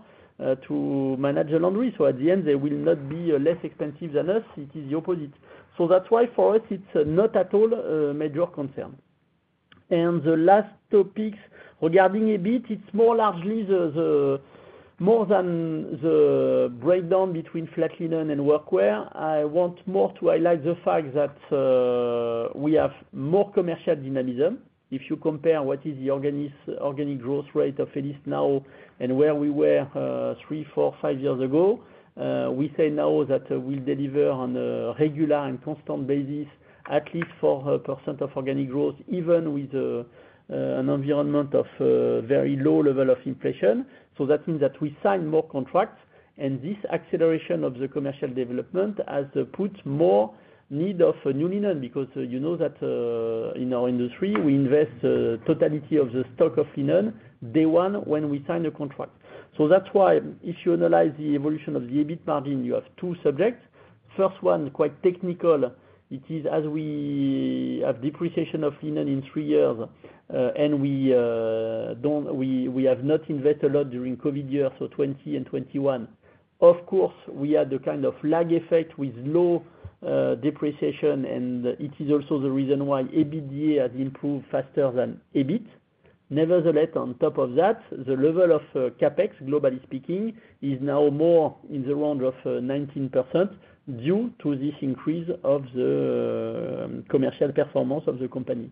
Speaker 2: to manage the laundry. So at the end, they will not be less expensive than us. It is the opposite. So that's why for us, it's not at all a major concern. The last topics regarding EBIT, it's more largely the more than the breakdown between flat linen and workwear. I want more to highlight the fact that we have more commercial dynamism. If you compare what is the organic growth rate of Elis now and where we were three, four, five years ago, we say now that we'll deliver on a regular and constant basis, at least 4% of organic growth, even with an environment of very low level of inflation. So that means that we sign more contracts, and this acceleration of the commercial development has put more need of new linen, because you know that in our industry, we invest totality of the stock of linen, day one, when we sign a contract. So that's why if you analyze the evolution of the EBIT margin, you have two subjects. First one, quite technical. It is as we have depreciation of linen in three years, and we have not invest a lot during COVID year, so 2020 and 2021. Of course, we had a kind of lag effect with low depreciation, and it is also the reason why EBITDA has improved faster than EBIT. Nevertheless, on top of that, the level of CapEx, globally speaking, is now more in the round of 19% due to this increase of the commercial performance of the company.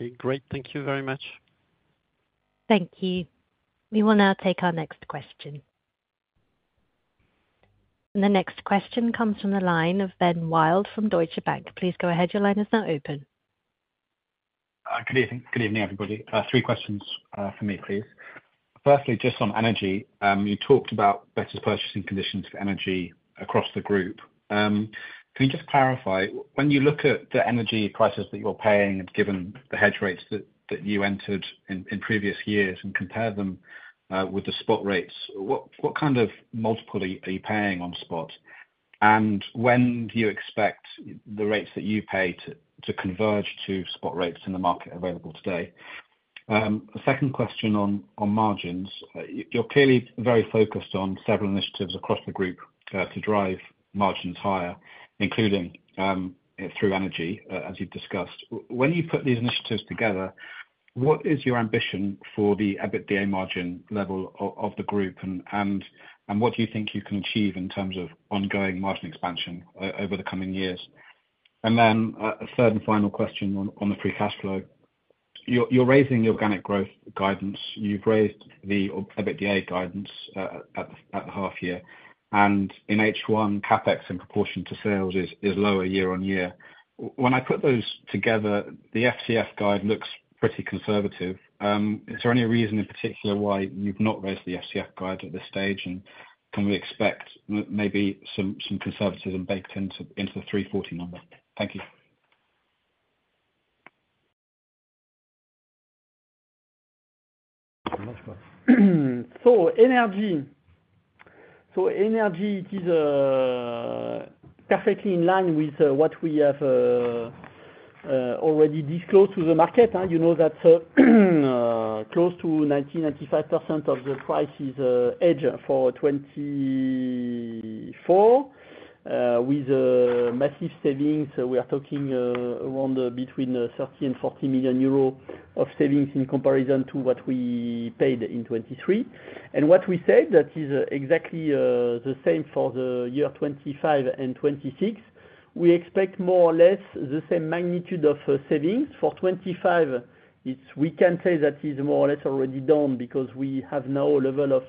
Speaker 4: Okay, great. Thank you very much.
Speaker 1: Thank you. We will now take our next question. The next question comes from the line of Benjamin Wild from Deutsche Bank. Please go ahead. Your line is now open.
Speaker 5: Good evening, everybody. Three questions for me, please. Firstly, just on energy, you talked about better purchasing conditions for energy across the group. Can you just clarify, when you look at the energy prices that you're paying, and given the hedge rates that you entered in previous years and compare them with the spot rates, what kind of multiple are you paying on spot? And when do you expect the rates that you pay to converge to spot rates in the market available today? The second question on margins. You're clearly very focused on several initiatives across the group to drive margins higher, including through energy, as you've discussed. When you put these initiatives together, what is your ambition for the EBITDA margin level of the group? What do you think you can achieve in terms of ongoing margin expansion over the coming years? And then, a third and final question on the free cash flow. You're raising the organic growth guidance. You've raised the EBITDA guidance at the half year, and in H1, CapEx, in proportion to sales, is lower year-on-year. When I put those together, the FCF guide looks pretty conservative. Is there any reason in particular why you've not raised the FCF guide at this stage? And can we expect maybe some conservatism baked into the 340 million number? Thank you.
Speaker 2: So energy. So energy is perfectly in line with what we have already disclosed to the market. You know that close to 90-95% of the price is hedged for 2024 with massive savings. So we are talking around betweenEUR 30 million and 40 million euros of savings in comparison to what we paid in 2023. And what we said, that is exactly the same for the year 2025 and 2026. We expect more or less the same magnitude of savings. For 2025, it's—we can say that is more or less already done because we have now a level of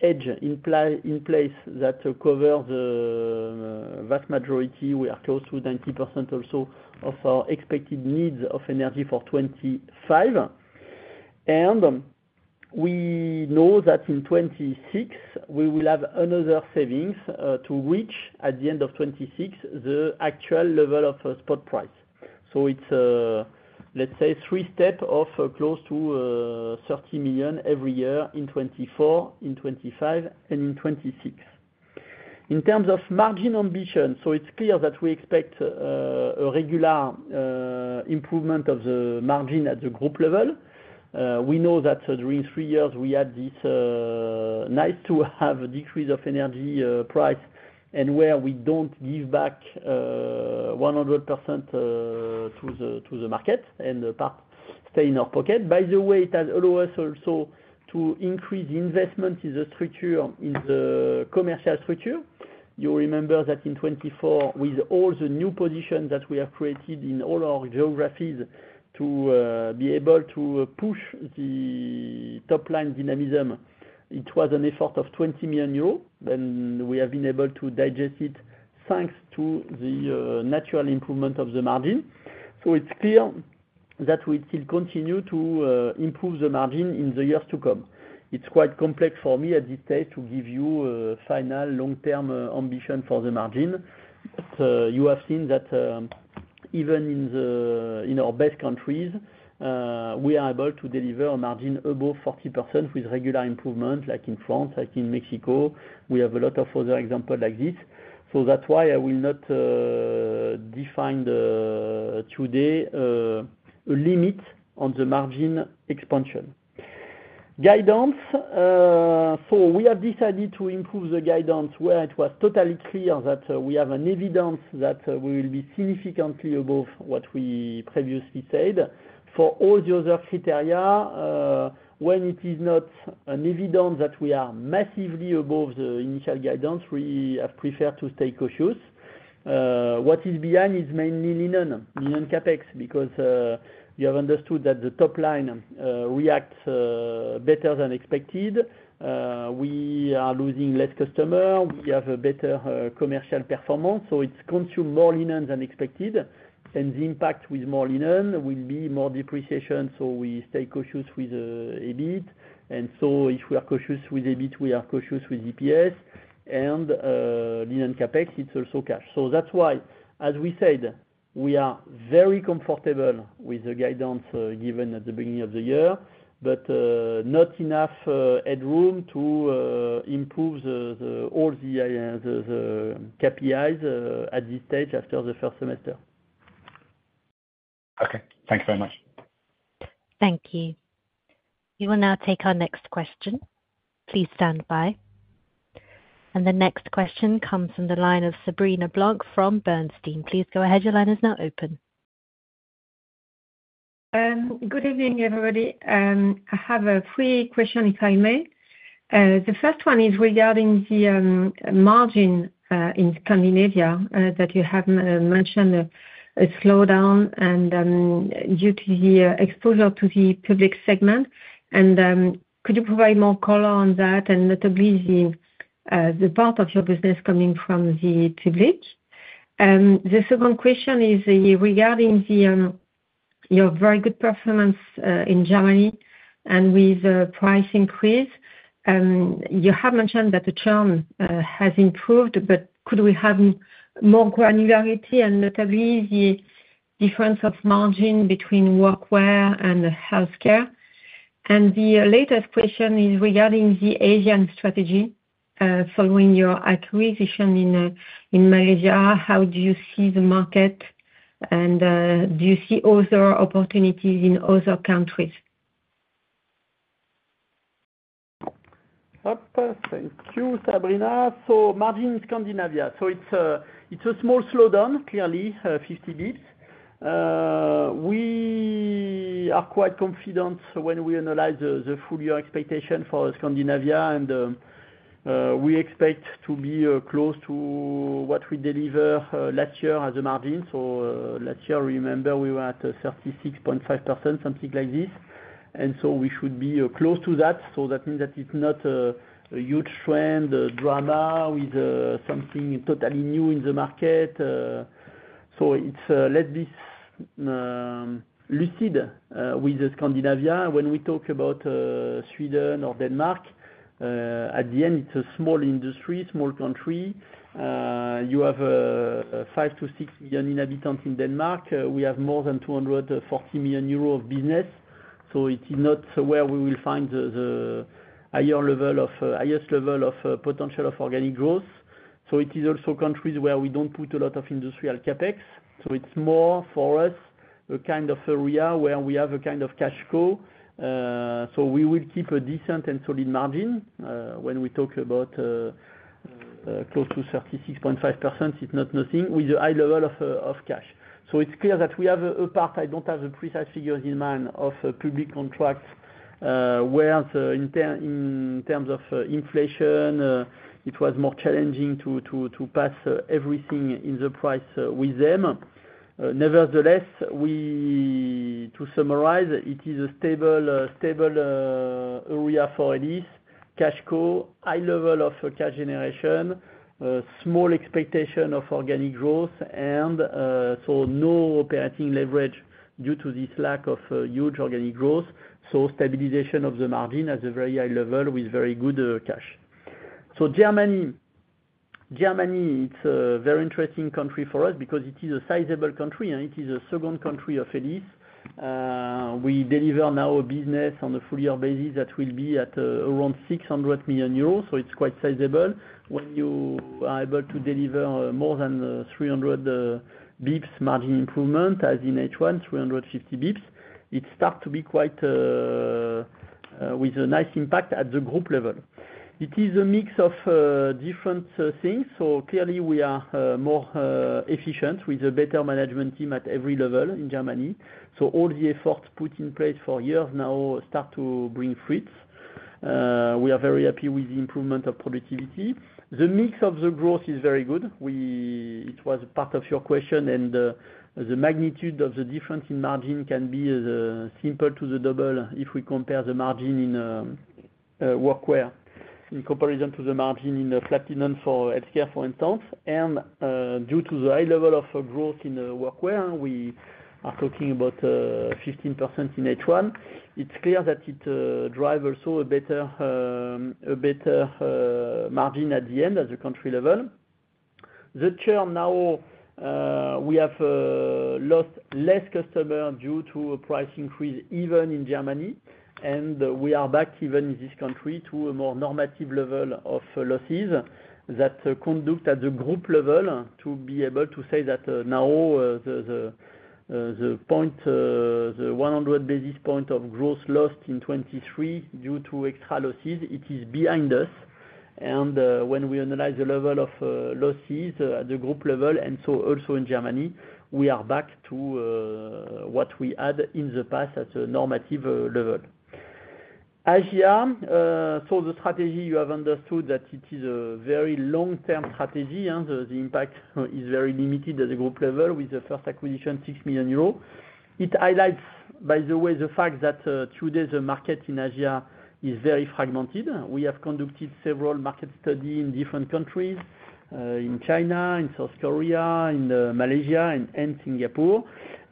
Speaker 2: hedged in place that cover the vast majority. We are close to 90% or so of our expected needs of energy for 2025. We know that in 2026, we will have another savings to reach, at the end of 2026, the actual level of spot price. So it's, let's say, three step of close to 30 million every year in 2024, in 2025, and in 2026. In terms of margin ambition, so it's clear that we expect a regular improvement of the margin at the group level. We know that during three years we had this nice to have a decrease of energy price, and where we don't give back 100% to the market, and the part stay in our pocket. By the way, it has allow us also to increase investment in the structure, in the commercial structure. You remember that in 2024, with all the new positions that we have created in all our geographies to be able to push the top-line dynamism, it was an effort of 20 million euros. Then we have been able to digest it, thanks to the natural improvement of the margin. So it's clear that we still continue to improve the margin in the years to come. It's quite complex for me, at this stage, to give you a final long-term ambition for the margin. But you have seen that, even in the... in our best countries, we are able to deliver a margin above 40% with regular improvement, like in France, like in Mexico. We have a lot of other example like this. So that's why I will not define the, today, a limit on the margin expansion. Guidance, so we have decided to improve the guidance, where it was totally clear that we have evidence that we will be significantly above what we previously said. For all the other criteria, when it is not evident that we are massively above the initial guidance, we have preferred to stay cautious. What is behind is mainly linen, linen CapEx, because you have understood that the top line react better than expected. We are losing less customers. We have a better commercial performance, so it consumes more linen than expected, and the impact with more linen will be more depreciation, so we stay cautious with EBIT. And so if we are cautious with EBIT, we are cautious with EPS... and linen and CapEx, it's also cash. So that's why, as we said, we are very comfortable with the guidance given at the beginning of the year, but not enough headroom to improve all the key KPIs at this stage, after the first semester.
Speaker 1: Okay, thanks very much. Thank you. We will now take our next question. Please stand by. The next question comes from the line of Sabrina Blanc from Bernstein. Please go ahead, your line is now open.
Speaker 6: Good evening, everybody. I have three questions, if I may. The first one is regarding the margin in Scandinavia that you have mentioned, a slowdown, and due to the exposure to the public segment. And could you provide more color on that, and notably the part of your business coming from the public? The second question is regarding your very good performance in Germany and with price increase. You have mentioned that the churn has improved, but could we have more granularity, and notably the difference of margin between workwear and healthcare? The latest question is regarding the Asian strategy following your acquisition in Malaysia, how do you see the market? And do you see other opportunities in other countries?
Speaker 2: Thank you, Sabrina. So margin Scandinavia. So it's a small slowdown, clearly, 50 bips. We are quite confident when we analyze the full year expectation for Scandinavia, and we expect to be close to what we deliver last year as a margin. So last year, remember, we were at 36.5%, something like this. And so we should be close to that, so that means that it's not a huge trend, a drama with something totally new in the market. So it's let's be lucid with Scandinavia, when we talk about Sweden or Denmark, at the end, it's a small industry, small country. You have 5-6 million inhabitants in Denmark. We have more than 240 million euros of business, so it is not where we will find the highest level of potential of organic growth. So it is also countries where we don't put a lot of industrial CapEx, so it's more for us, a kind of area where we have a kind of cash cow. So we will keep a decent and solid margin, when we talk about close to 36.5%, it's not nothing, with a high level of cash. So it's clear that we have a part, I don't have the precise figures in mind, of public contracts, where the, in terms of inflation, it was more challenging to pass everything in the price, with them. Nevertheless, we—to summarize, it is a stable, stable area for Elis, cash cow, high level of cash generation, a small expectation of organic growth, and so no operating leverage due to this lack of huge organic growth. So stabilization of the margin at a very high level with very good cash. So Germany. Germany, it's a very interesting country for us because it is a sizable country, and it is a second country of Elis. We deliver now a business on a full year basis that will be at around 600 million euros, so it's quite sizable. When you are able to deliver more than 300 bips margin improvement, as in H1, 350 bips, it start to be quite with a nice impact at the group level. It is a mix of different things, so clearly we are more efficient with a better management team at every level in Germany. So all the efforts put in place for years now start to bring fruits. We are very happy with the improvement of productivity. The mix of the growth is very good. We-- It was part of your question, and the magnitude of the difference in margin can be simple to the double if we compare the margin in workwear, in comparison to the margin in the flat linen for healthcare, for instance. And due to the high level of growth in workwear, we are talking about 15% in H1, it's clear that it drive also a better margin at the end, at the country level. The churn now, we have lost less customer due to a price increase, even in Germany. We are back even in this country, to a more normative level of losses, that conduct at the group level, to be able to say that now the 100 basis point of growth lost in 2023 due to extra losses, it is behind us. When we analyze the level of losses at the group level, and so also in Germany, we are back to what we had in the past at a normative level. Asia, so the strategy, you have understood that it is a very long-term strategy, and the impact is very limited at the group level with the first acquisition, 6 million euros. It highlights, by the way, the fact that today the market in Asia is very fragmented. We have conducted several market study in different countries, in China, in South Korea, in Malaysia, and Singapore.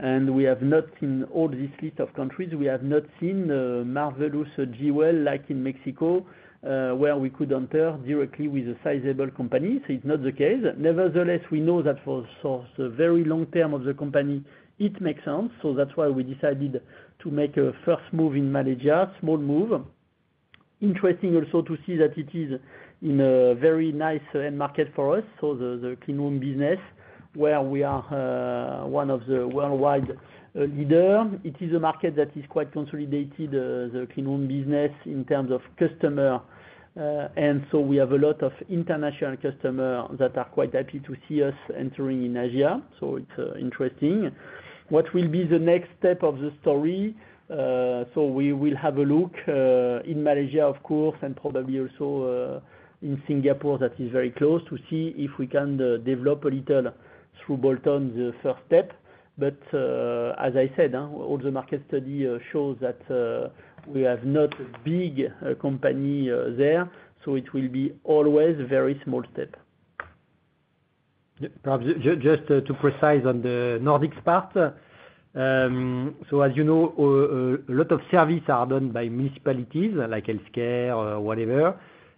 Speaker 2: We have not seen all this list of countries. We have not seen marvelous jewel like in Mexico, where we could enter directly with a sizable company. It's not the case. Nevertheless, we know that for the very long term of the company, it makes sense. That's why we decided to make a first move in Malaysia, small move. Interesting also to see that it is in a very nice end market for us, so the cleanroom business, where we are one of the worldwide leader. It is a market that is quite consolidated, the cleanroom business in terms of customer, and so we have a lot of international customer that are quite happy to see us entering in Asia, so it's interesting. What will be the next step of the story? So we will have a look in Malaysia, of course, and probably also in Singapore, that is very close, to see if we can develop a little through bolt-on, the first step. But as I said, all the market study shows that we have not a big company there, so it will be always very small step.
Speaker 3: Yeah, perhaps just to be precise on the Nordics part. So as you know, a lot of service are done by municipalities, like healthcare or whatever,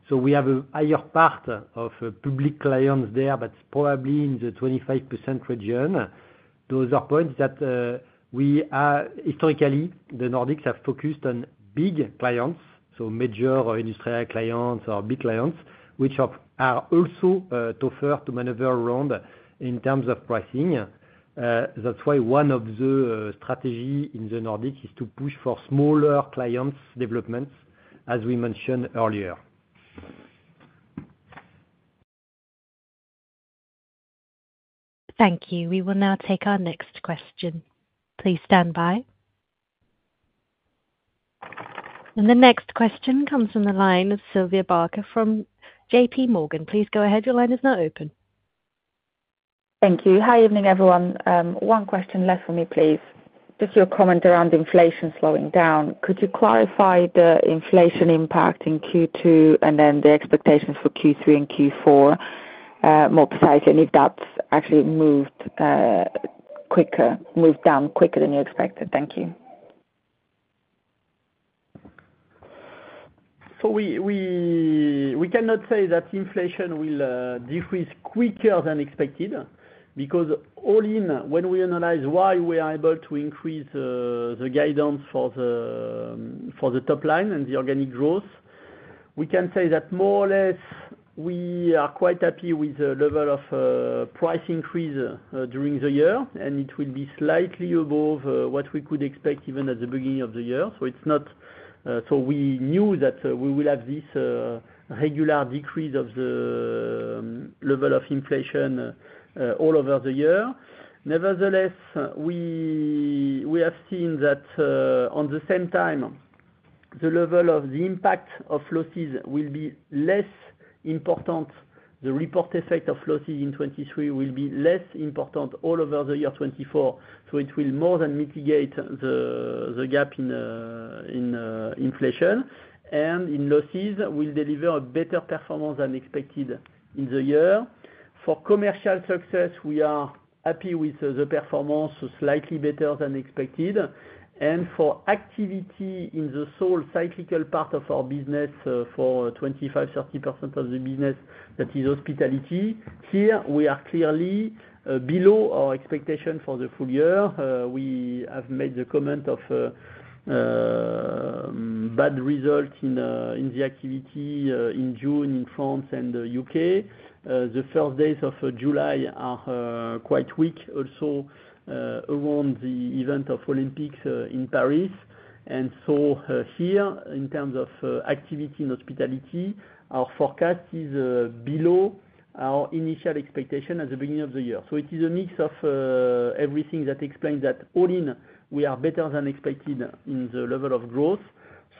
Speaker 3: so we have a higher part of public clients there, but probably in the 25% region. Those are points that we are—historically, the Nordics have focused on big clients, so major or industrial clients or big clients, which are also tougher to maneuver around in terms of pricing. That's why one of the strategy in the Nordic is to push for smaller clients developments, as we mentioned earlier.
Speaker 1: Thank you. We will now take our next question. Please stand by. The next question comes from the line of Sylvia Barker from JP Morgan. Please go ahead. Your line is now open.
Speaker 7: Thank you. Hi, evening, everyone. One question left for me, please. Just your comment around inflation slowing down. Could you clarify the inflation impact in Q2, and then the expectations for Q3 and Q4, more precisely, if that's actually moved quicker, moved down quicker than you expected? Thank you.
Speaker 2: So we cannot say that inflation will decrease quicker than expected. Because all in, when we analyze why we are able to increase the guidance for the top line and the organic growth, we can say that more or less, we are quite happy with the level of price increase during the year, and it will be slightly above what we could expect even at the beginning of the year. So it's not. So we knew that we will have this regular decrease of the level of inflation all over the year. Nevertheless, we have seen that on the same time, the level of the impact of losses will be less important. The report effect of losses in 2023 will be less important all over the year 2024, so it will more than mitigate the gap in inflation. And in losses, we'll deliver a better performance than expected in the year. For commercial success, we are happy with the performance, slightly better than expected. And for activity in the sole cyclical part of our business, for 25%-30% of the business, that is hospitality, here, we are clearly below our expectation for the full year. We have made the comment of bad results in the activity in June, in France and the UK. The first days of July are quite weak also, around the event of Olympics in Paris. And so, here, in terms of activity in hospitality, our forecast is below our initial expectation at the beginning of the year. So it is a mix of everything that explains that all in, we are better than expected in the level of growth.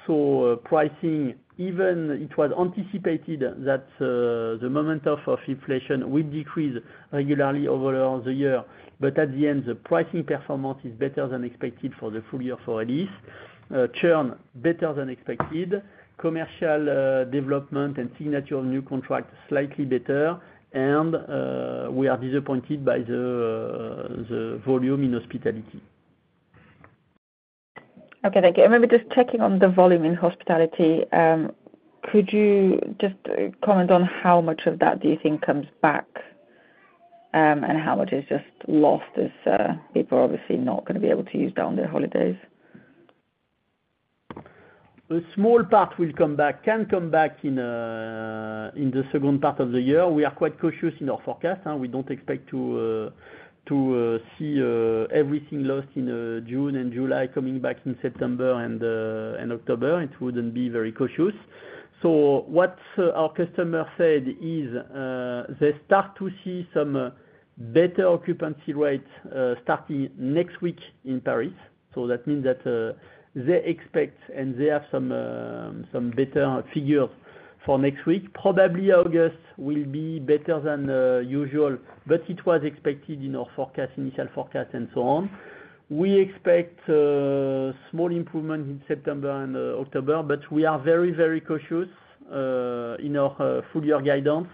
Speaker 2: So, pricing, even it was anticipated that the momentum of inflation will decrease regularly over the year. But at the end, the pricing performance is better than expected for the full year for Elis. Churn, better than expected. Commercial development and signature of new contracts, slightly better. And we are disappointed by the volume in hospitality.
Speaker 7: Okay, thank you. Maybe just checking on the volume in hospitality, could you just comment on how much of that do you think comes back, and how much is just lost as people are obviously not gonna be able to use up their holidays?
Speaker 2: A small part will come back, can come back in the second part of the year. We are quite cautious in our forecast. We don't expect to see everything lost in June and July coming back in September and October. It wouldn't be very cautious. So what our customer said is, they start to see some better occupancy rates starting next week in Paris. So that means that they expect, and they have some better figures for next week. Probably, August will be better than usual, but it was expected in our forecast, initial forecast, and so on. We expect small improvement in September and October, but we are very, very cautious in our full year guidance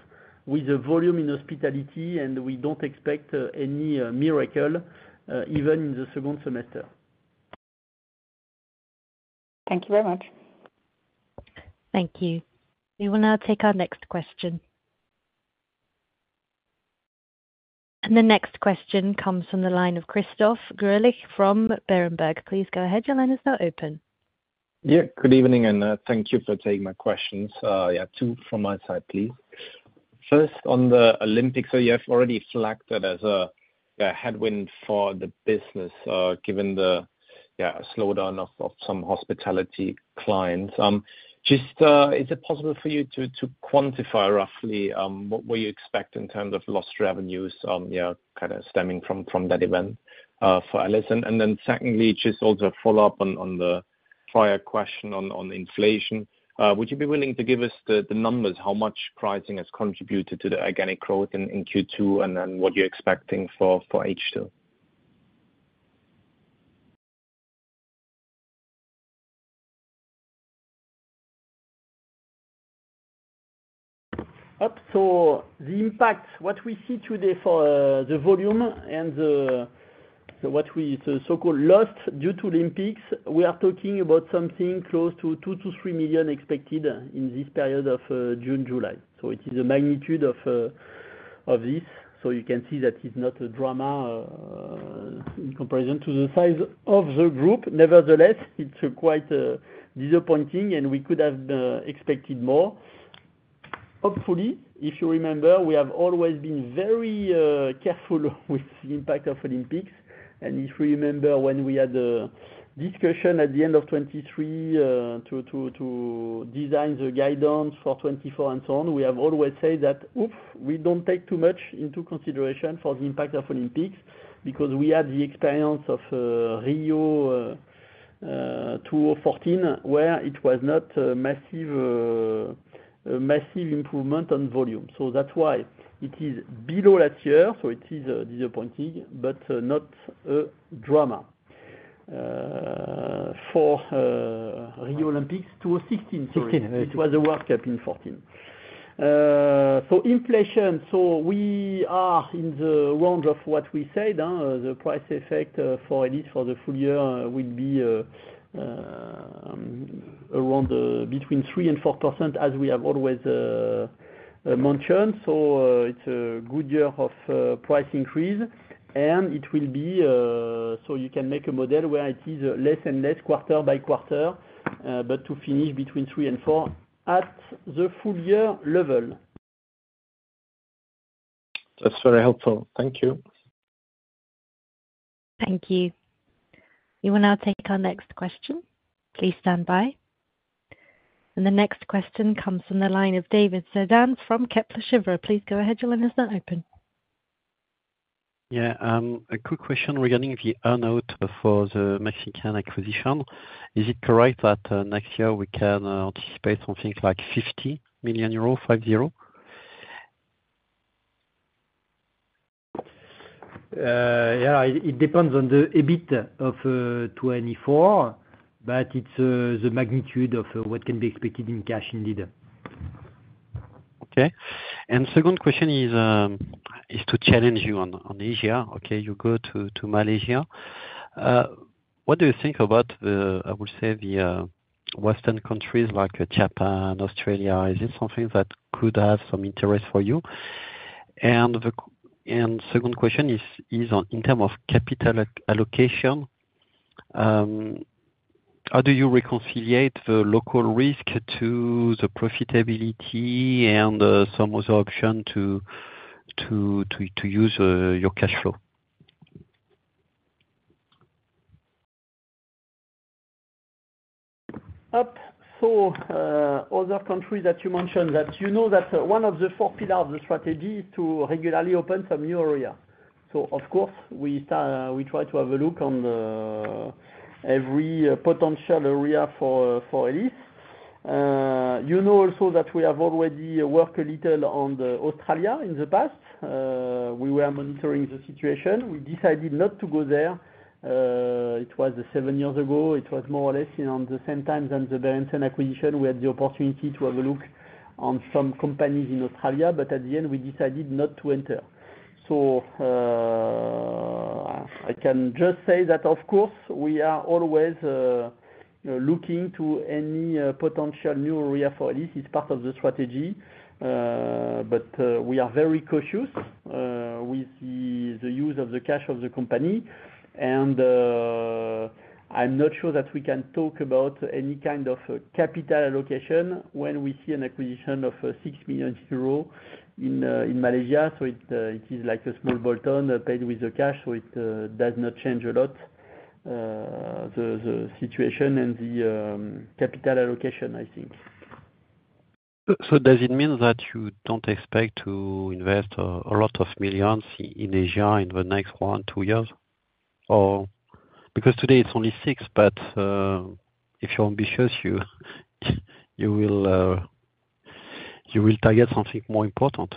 Speaker 2: with the volume in hospitality, and we don't expect any miracle even in the second semester.
Speaker 7: Thank you very much.
Speaker 1: Thank you. We will now take our next question. The next question comes from the line of Christoph Greulich from Berenberg. Please go ahead, your line is now open.
Speaker 8: Yeah, good evening, and thank you for taking my questions. Yeah, two from my side, please. First, on the Olympics, so you have already flagged that as a headwind for the business, given the slowdown of some hospitality clients. Just, is it possible for you to quantify roughly what will you expect in terms of lost revenues, kind of stemming from that event for Elis? And then secondly, just also a follow-up on the prior question on inflation. Would you be willing to give us the numbers, how much pricing has contributed to the organic growth in Q2, and then what you're expecting for H2?
Speaker 2: So the impact, what we see today for the volume and the so-called lost due to Olympics, we are talking about something close to 2 million- 3 million expected in this period of June, July. So it is a magnitude of this, so you can see that it's not a drama in comparison to the size of the group. Nevertheless, it's quite disappointing, and we could have expected more. Hopefully, if you remember, we have always been very careful with the impact of Olympics. And if you remember when we had a discussion at the end of 2023, to design the guidance for 2024 and so on, we have always said that, "Oops, we don't take too much into consideration for the impact of Olympics." Because we had the experience of Rio, 2014, where it was not a massive, a massive improvement on volume. So that's why it is below last year, so it is disappointing, but not a drama. For Rio Olympics, 2016, sorry.
Speaker 8: '16.
Speaker 2: It was a World Cup in 2014. So inflation, so we are in the round of what we said, the price effect for Elis for the full year will be around between 3% and 4%, as we have always mentioned. So, it's a good year of price increase, and it will be, so you can make a model where it is less and less, quarter by quarter, but to finish between 3% and 4% at the full year level.
Speaker 8: That's very helpful. Thank you.
Speaker 1: Thank you. We will now take our next question. Please stand by. The next question comes from the line of David Cerdan from Kepler Cheuvreux. Please go ahead, your line is now open.
Speaker 4: Yeah, a quick question regarding the earn-out for the Mexican acquisition. Is it correct that next year we can anticipate something like 50 million euro, 50?
Speaker 2: Yeah, it depends on the EBIT of 2024, but it's the magnitude of what can be expected in cash indeed.
Speaker 4: Okay. And second question is to challenge you on Asia. Okay, you go to Malaysia. What do you think about the, I would say, the Western countries, like Japan, Australia, is this something that could have some interest for you? And the second question is on, in terms of capital allocation, how do you reconcile the local risk to the profitability and some other option to use your cash flow?
Speaker 2: So, other countries that you mentioned, that you know that one of the four pillars of the strategy is to regularly open some new area. So of course, we try to have a look on every potential area for Elis. You know also that we have already worked a little on Australia in the past. We were monitoring the situation. We decided not to go there. It was seven years ago. It was more or less, you know, the same time than the Berendsen acquisition. We had the opportunity to have a look on some companies in Australia, but at the end, we decided not to enter. So, I can just say that, of course, we are always looking to any potential new area for Elis. It's part of the strategy, but we are very cautious with the use of the cash of the company. I'm not sure that we can talk about any kind of capital allocation when we see an acquisition of 6 million euros in Malaysia. So it is like a small bolt-on paid with the cash, so it does not change a lot the situation and the capital allocation, I think.
Speaker 4: So, does it mean that you don't expect to invest a lot of millions in Asia in the next 1-2 years? Or... Because today it's only 6 million, but if you're ambitious, you will target something more important?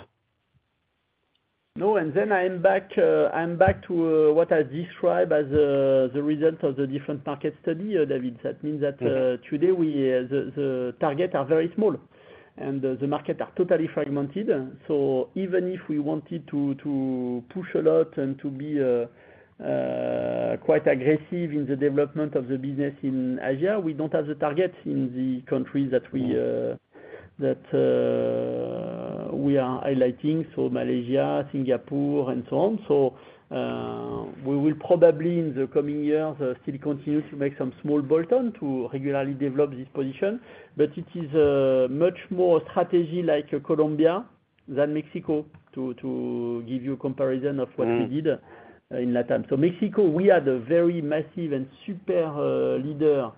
Speaker 2: No, and then I'm back, I'm back to what I describe as the result of the different market study, David. That means that,
Speaker 4: Okay...
Speaker 2: today we, the targets are very small, and the market are totally fragmented. So even if we wanted to push a lot and to be quite aggressive in the development of the business in Asia, we don't have the target in the countries that we are highlighting, so Malaysia, Singapore, and so on. So we will probably, in the coming years, still continue to make some small bolt-on to regularly develop this position. But it is a much more strategy like Colombia than Mexico, to give you a comparison of what-
Speaker 4: Mm...
Speaker 2: we did in Latin. So Mexico, we had a very massive and super leader.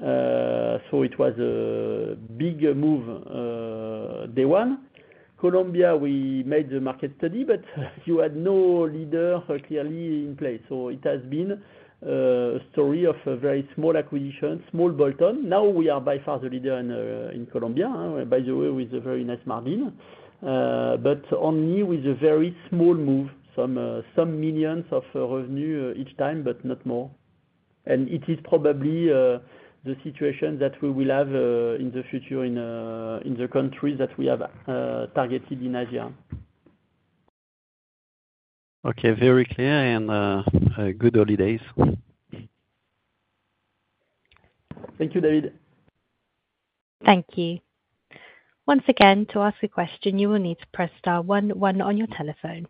Speaker 2: So it was a bigger move day one. Colombia, we made the market study, but you had no leader clearly in place. So it has been a story of a very small acquisition, small bolt-on. Now we are by far the leader in Colombia, by the way, with a very nice margin. But only with a very small move, some millions of revenue each time, but not more. And it is probably the situation that we will have in the future in the countries that we have targeted in Asia.
Speaker 4: Okay. Very clear, and, good holidays.
Speaker 2: Thank you, David.
Speaker 1: Thank you. Once again, to ask a question, you will need to press star one one on your telephone.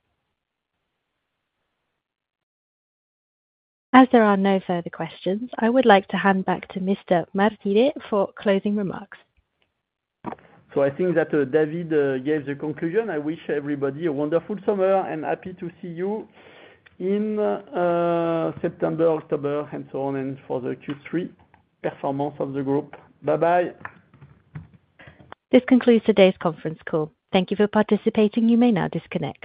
Speaker 1: As there are no further questions, I would like to hand back to Mr. Martiré for closing remarks.
Speaker 2: I think that David gave the conclusion. I wish everybody a wonderful summer, and happy to see you in September, October, and so on, and for the Q3 performance of the group. Bye-bye.
Speaker 1: This concludes today's conference call. Thank you for participating. You may now disconnect.